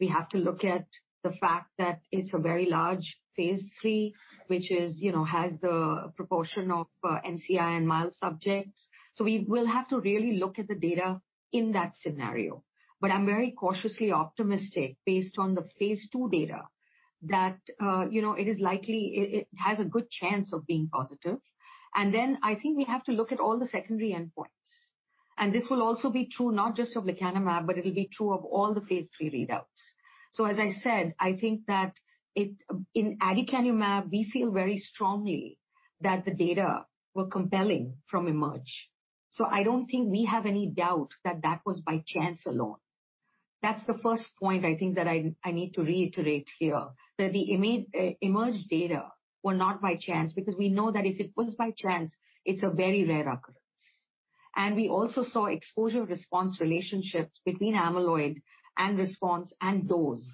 S12: We have to look at the fact that it's a very large phase III, which is, you know, has the proportion of MCI and mild subjects. We will have to really look at the data in that scenario. I'm very cautiously optimistic based on the phase II data that, you know, it is likely it has a good chance of being positive. Then I think we have to look at all the secondary endpoints. This will also be true not just of lecanemab, but it'll be true of all the phase III readouts. As I said, I think that it. In aducanumab, we feel very strongly that the data were compelling from EMERGE. I don't think we have any doubt that that was by chance alone. That's the first point I think that I need to reiterate here, that the EMERGE data were not by chance, because we know that if it was by chance, it's a very rare occurrence. We also saw exposure-response relationships between amyloid and response and dose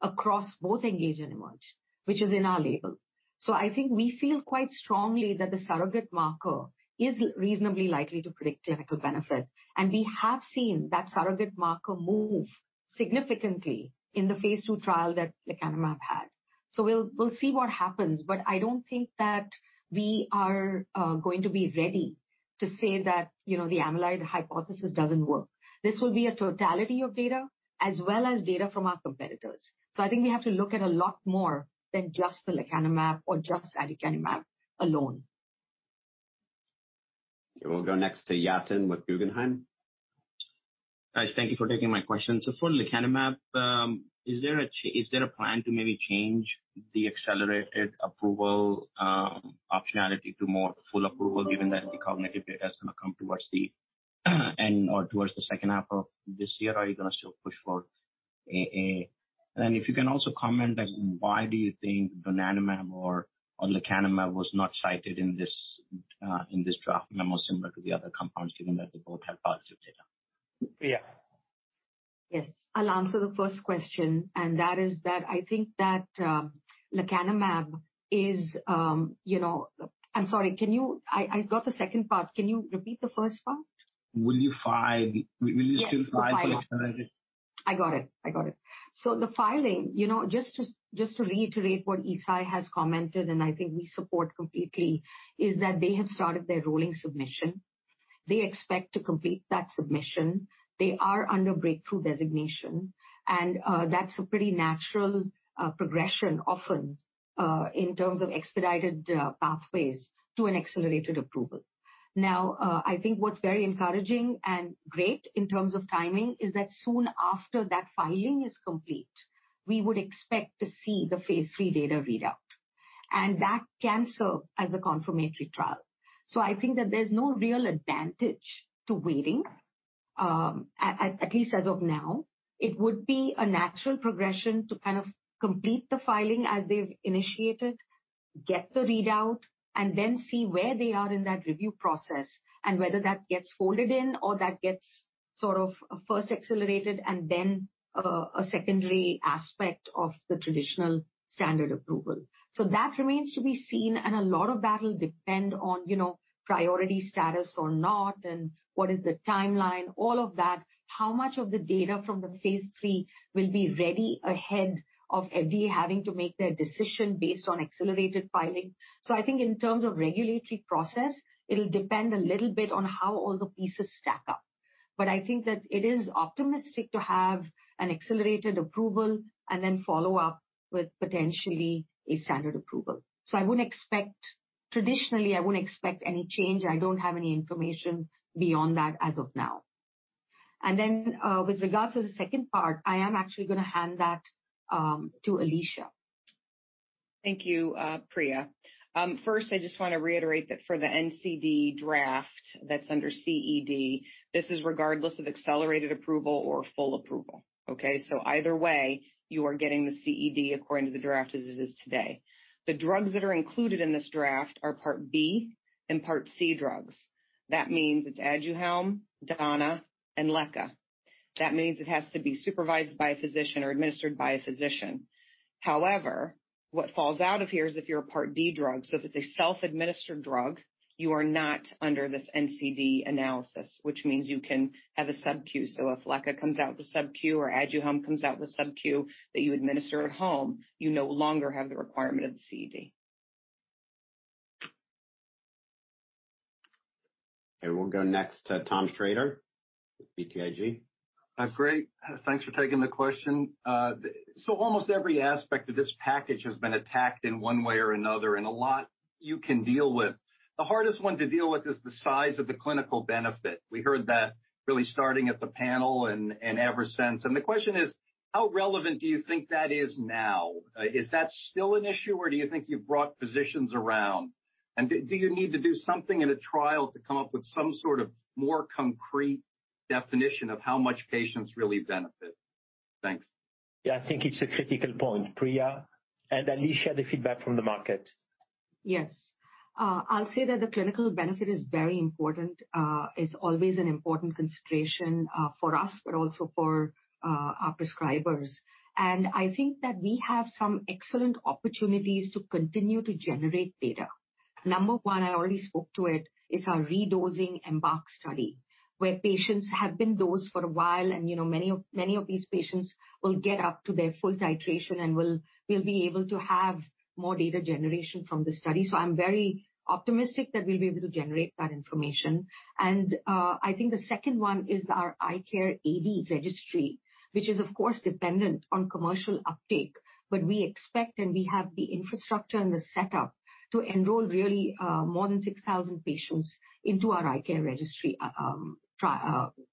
S12: across both ENGAGE and EMERGE, which is in our label. I think we feel quite strongly that the surrogate marker is reasonably likely to predict clinical benefit. We have seen that surrogate marker move significantly in the phase II trial that lecanemab had. We'll see what happens, but I don't think that we are going to be ready to say that, you know, the amyloid hypothesis doesn't work. This will be a totality of data as well as data from our competitors. I think we have to look at a lot more than just the lecanemab or just aducanumab alone.
S1: Okay, we'll go next to Yatin with Guggenheim.
S26: Guys, thank you for taking my question. For lecanemab, is there a plan to maybe change the accelerated approval optionality to more full approval given that the cognitive data is gonna come towards the end or towards the second half of this year? Are you gonna still push for a? If you can also comment on why you think donanemab or lecanemab was not cited in this draft memo similar to the other compounds, given that they both have positive data?
S2: Priya.
S12: Yes. I'll answer the first question, and that is that I think that lecanemab is, you know. I'm sorry. I got the second part. Can you repeat the first part?
S26: Will you file?
S12: Yes.
S26: Will you still file for accelerated?
S12: I got it. The filing, you know, just to reiterate what Eisai has commented, and I think we support completely, is that they have started their rolling submission. They expect to complete that submission. They are under breakthrough designation, and that's a pretty natural progression often in terms of expedited pathways to an accelerated approval. Now, I think what's very encouraging and great in terms of timing is that soon after that filing is complete, we would expect to see the phase III data readout. That can serve as a confirmatory trial. I think that there's no real advantage to waiting, at least as of now. It would be a natural progression to kind of complete the filing as they've initiated, get the readout, and then see where they are in that review process and whether that gets folded in or that gets sort of first accelerated and then, a secondary aspect of the traditional standard approval. That remains to be seen, and a lot of that will depend on, you know, priority status or not, and what is the timeline, all of that, how much of the data from the phase III will be ready ahead of FDA having to make their decision based on accelerated filing. I think in terms of regulatory process, it'll depend a little bit on how all the pieces stack up. I think that it is optimistic to have an accelerated approval and then follow up with potentially a standard approval. I wouldn't expect. Traditionally, I wouldn't expect any change. I don't have any information beyond that as of now. With regards to the second part, I am actually gonna hand that to Alisha.
S6: Thank you, Priya. First, I just wanna reiterate that for the NCD draft that's under CED, this is regardless of accelerated approval or full approval. Okay. Either way, you are getting the CED according to the draft as it is today. The drugs that are included in this draft are Part B and Part C drugs. That means it's ADUHELM, donanemab and lecanemab. That means it has to be supervised by a physician or administered by a physician. However, what falls out of here is if you're a Part D drug. If it's a self-administered drug, you are not under this NCD analysis, which means you can have a sub-Q. If lecanemab comes out with a sub-Q or ADUHELM comes out with a sub-Q that you administer at home, you no longer have the requirement of the CED.
S1: Okay, we'll go next to Tom Shrader with BTIG.
S27: Great. Thanks for taking the question. So almost every aspect of this package has been attacked in one way or another, and a lot you can deal with. The hardest one to deal with is the size of the clinical benefit. We heard that really starting at the panel and ever since. The question is, how relevant do you think that is now? Is that still an issue, or do you think you've brought physicians around? Do you need to do something in a trial to come up with some sort of more concrete definition of how much patients really benefit? Thanks.
S2: Yeah, I think it's a critical point. Priya and Alisha, the feedback from the market.
S12: Yes. I'll say that the clinical benefit is very important. It's always an important consideration for us, but also for our prescribers. I think that we have some excellent opportunities to continue to generate data. Number one, I already spoke to it, is our redosing EMBARK study, where patients have been dosed for a while and, you know, many of these patients will get up to their full titration and we'll be able to have more data generation from the study. I'm very optimistic that we'll be able to generate that information. I think the second one is our ICare-AD Registry, which is of course dependent on commercial uptake, but we expect and we have the infrastructure and the setup to enroll really more than 6,000 patients into our iCare registry,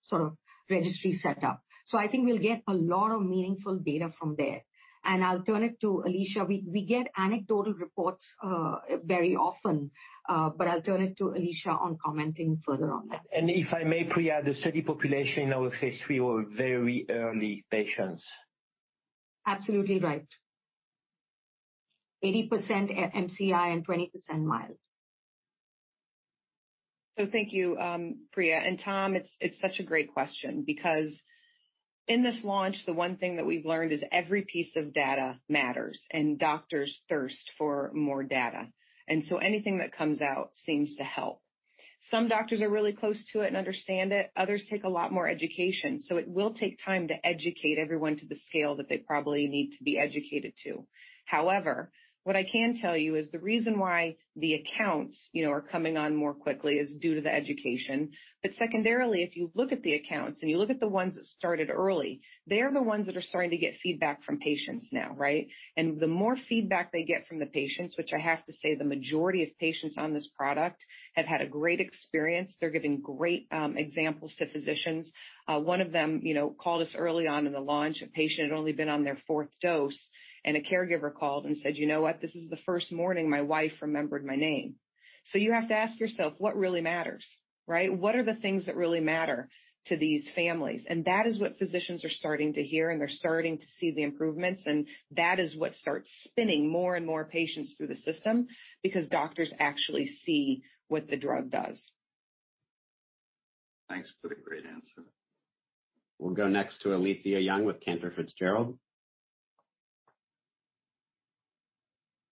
S12: sort of registry setup. I think we'll get a lot of meaningful data from there. I'll turn it to Alisha. We get anecdotal reports very often, but I'll turn it to Alisha on commenting further on that.
S27: If I may, Priya, the study population in our phase III were very early patients.
S12: Absolutely right. 80% MCI and 20% mild.
S6: Thank you, Priya. Tom, it's such a great question because in this launch, the one thing that we've learned is every piece of data matters and doctors thirst for more data. Anything that comes out seems to help. Some doctors are really close to it and understand it. Others take a lot more education. It will take time to educate everyone to the scale that they probably need to be educated to. However, what I can tell you is the reason why the accounts, you know, are coming on more quickly is due to the education. Secondarily, if you look at the accounts and you look at the ones that started early, they are the ones that are starting to get feedback from patients now, right? The more feedback they get from the patients, which I have to say the majority of patients on this product have had a great experience. They're giving great examples to physicians. One of them, you know, called us early on in the launch. A patient had only been on their fourth dose, and a caregiver called and said, "You know what? This is the first morning my wife remembered my name." You have to ask yourself, what really matters, right? What are the things that really matter to these families? That is what physicians are starting to hear, and they're starting to see the improvements, and that is what starts spinning more and more patients through the system because doctors actually see what the drug does.
S27: Thanks for the great answer.
S1: We'll go next to Alethia Young with Cantor Fitzgerald.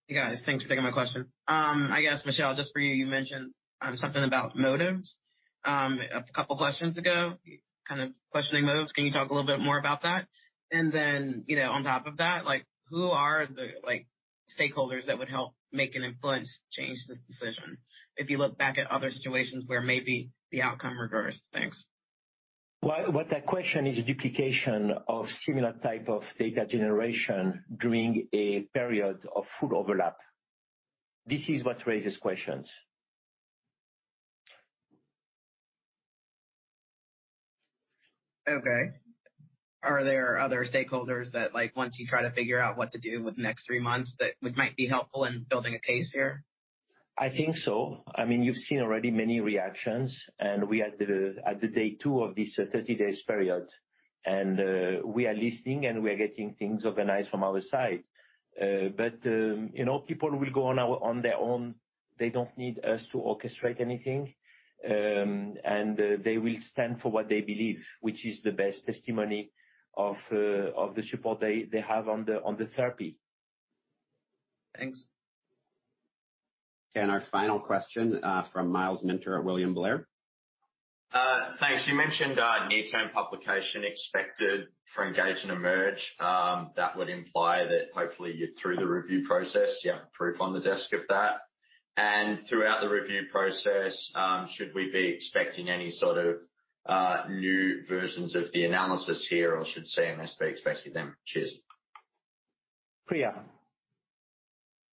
S28: Hey, guys. Thanks for taking my question. I guess, Michel, just for you mentioned something about motives a couple questions ago. You kind of questioning motives. Can you talk a little bit more about that? Then, you know, on top of that, like who are the, like, stakeholders that would help make an influence to change this decision if you look back at other situations where maybe the outcome reversed? Thanks.
S2: Well, what that question is a duplication of similar type of data generation during a period of full overlap. This is what raises questions.
S28: Okay. Are there other stakeholders that like once you try to figure out what to do with the next three months, that would might be helpful in building a case here?
S2: I think so. I mean, you've seen already many reactions and we are at the day 2 of this 30 days period. We are listening, and we are getting things organized from our side. You know, people will go on their own. They don't need us to orchestrate anything. They will stand for what they believe, which is the best testimony of the support they have on the therapy.
S28: Thanks.
S1: Our final question from Myles Minter at William Blair.
S29: Thanks. You mentioned near-term publication expected for EMERGE and ENGAGE. That would imply that hopefully you're through the review process. Do you have proof on the desk of that? Throughout the review process, should we be expecting any sort of new versions of the analysis here or should CMS be expecting them? Cheers.
S2: Priya.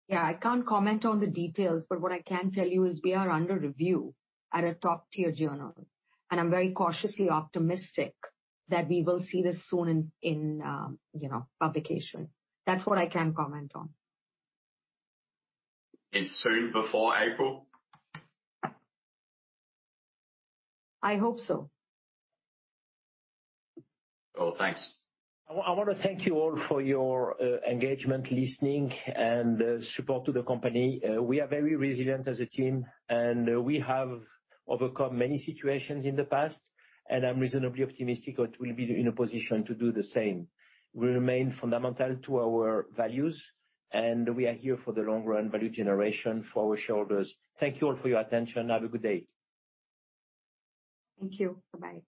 S12: Yeah. I can't comment on the details, but what I can tell you is we are under review at a top-tier journal, and I'm very cautiously optimistic that we will see this soon in, you know, publication. That's what I can comment on.
S29: Is soon before April?
S12: I hope so.
S29: Cool, thanks.
S2: I wanna thank you all for your engagement, listening and support to the company. We are very resilient as a team, and we have overcome many situations in the past, and I'm reasonably optimistic that we'll be in a position to do the same. We remain fundamental to our values, and we are here for the long run value generation for our shareholders. Thank you all for your attention. Have a good day.
S12: Thank you. Bye-bye.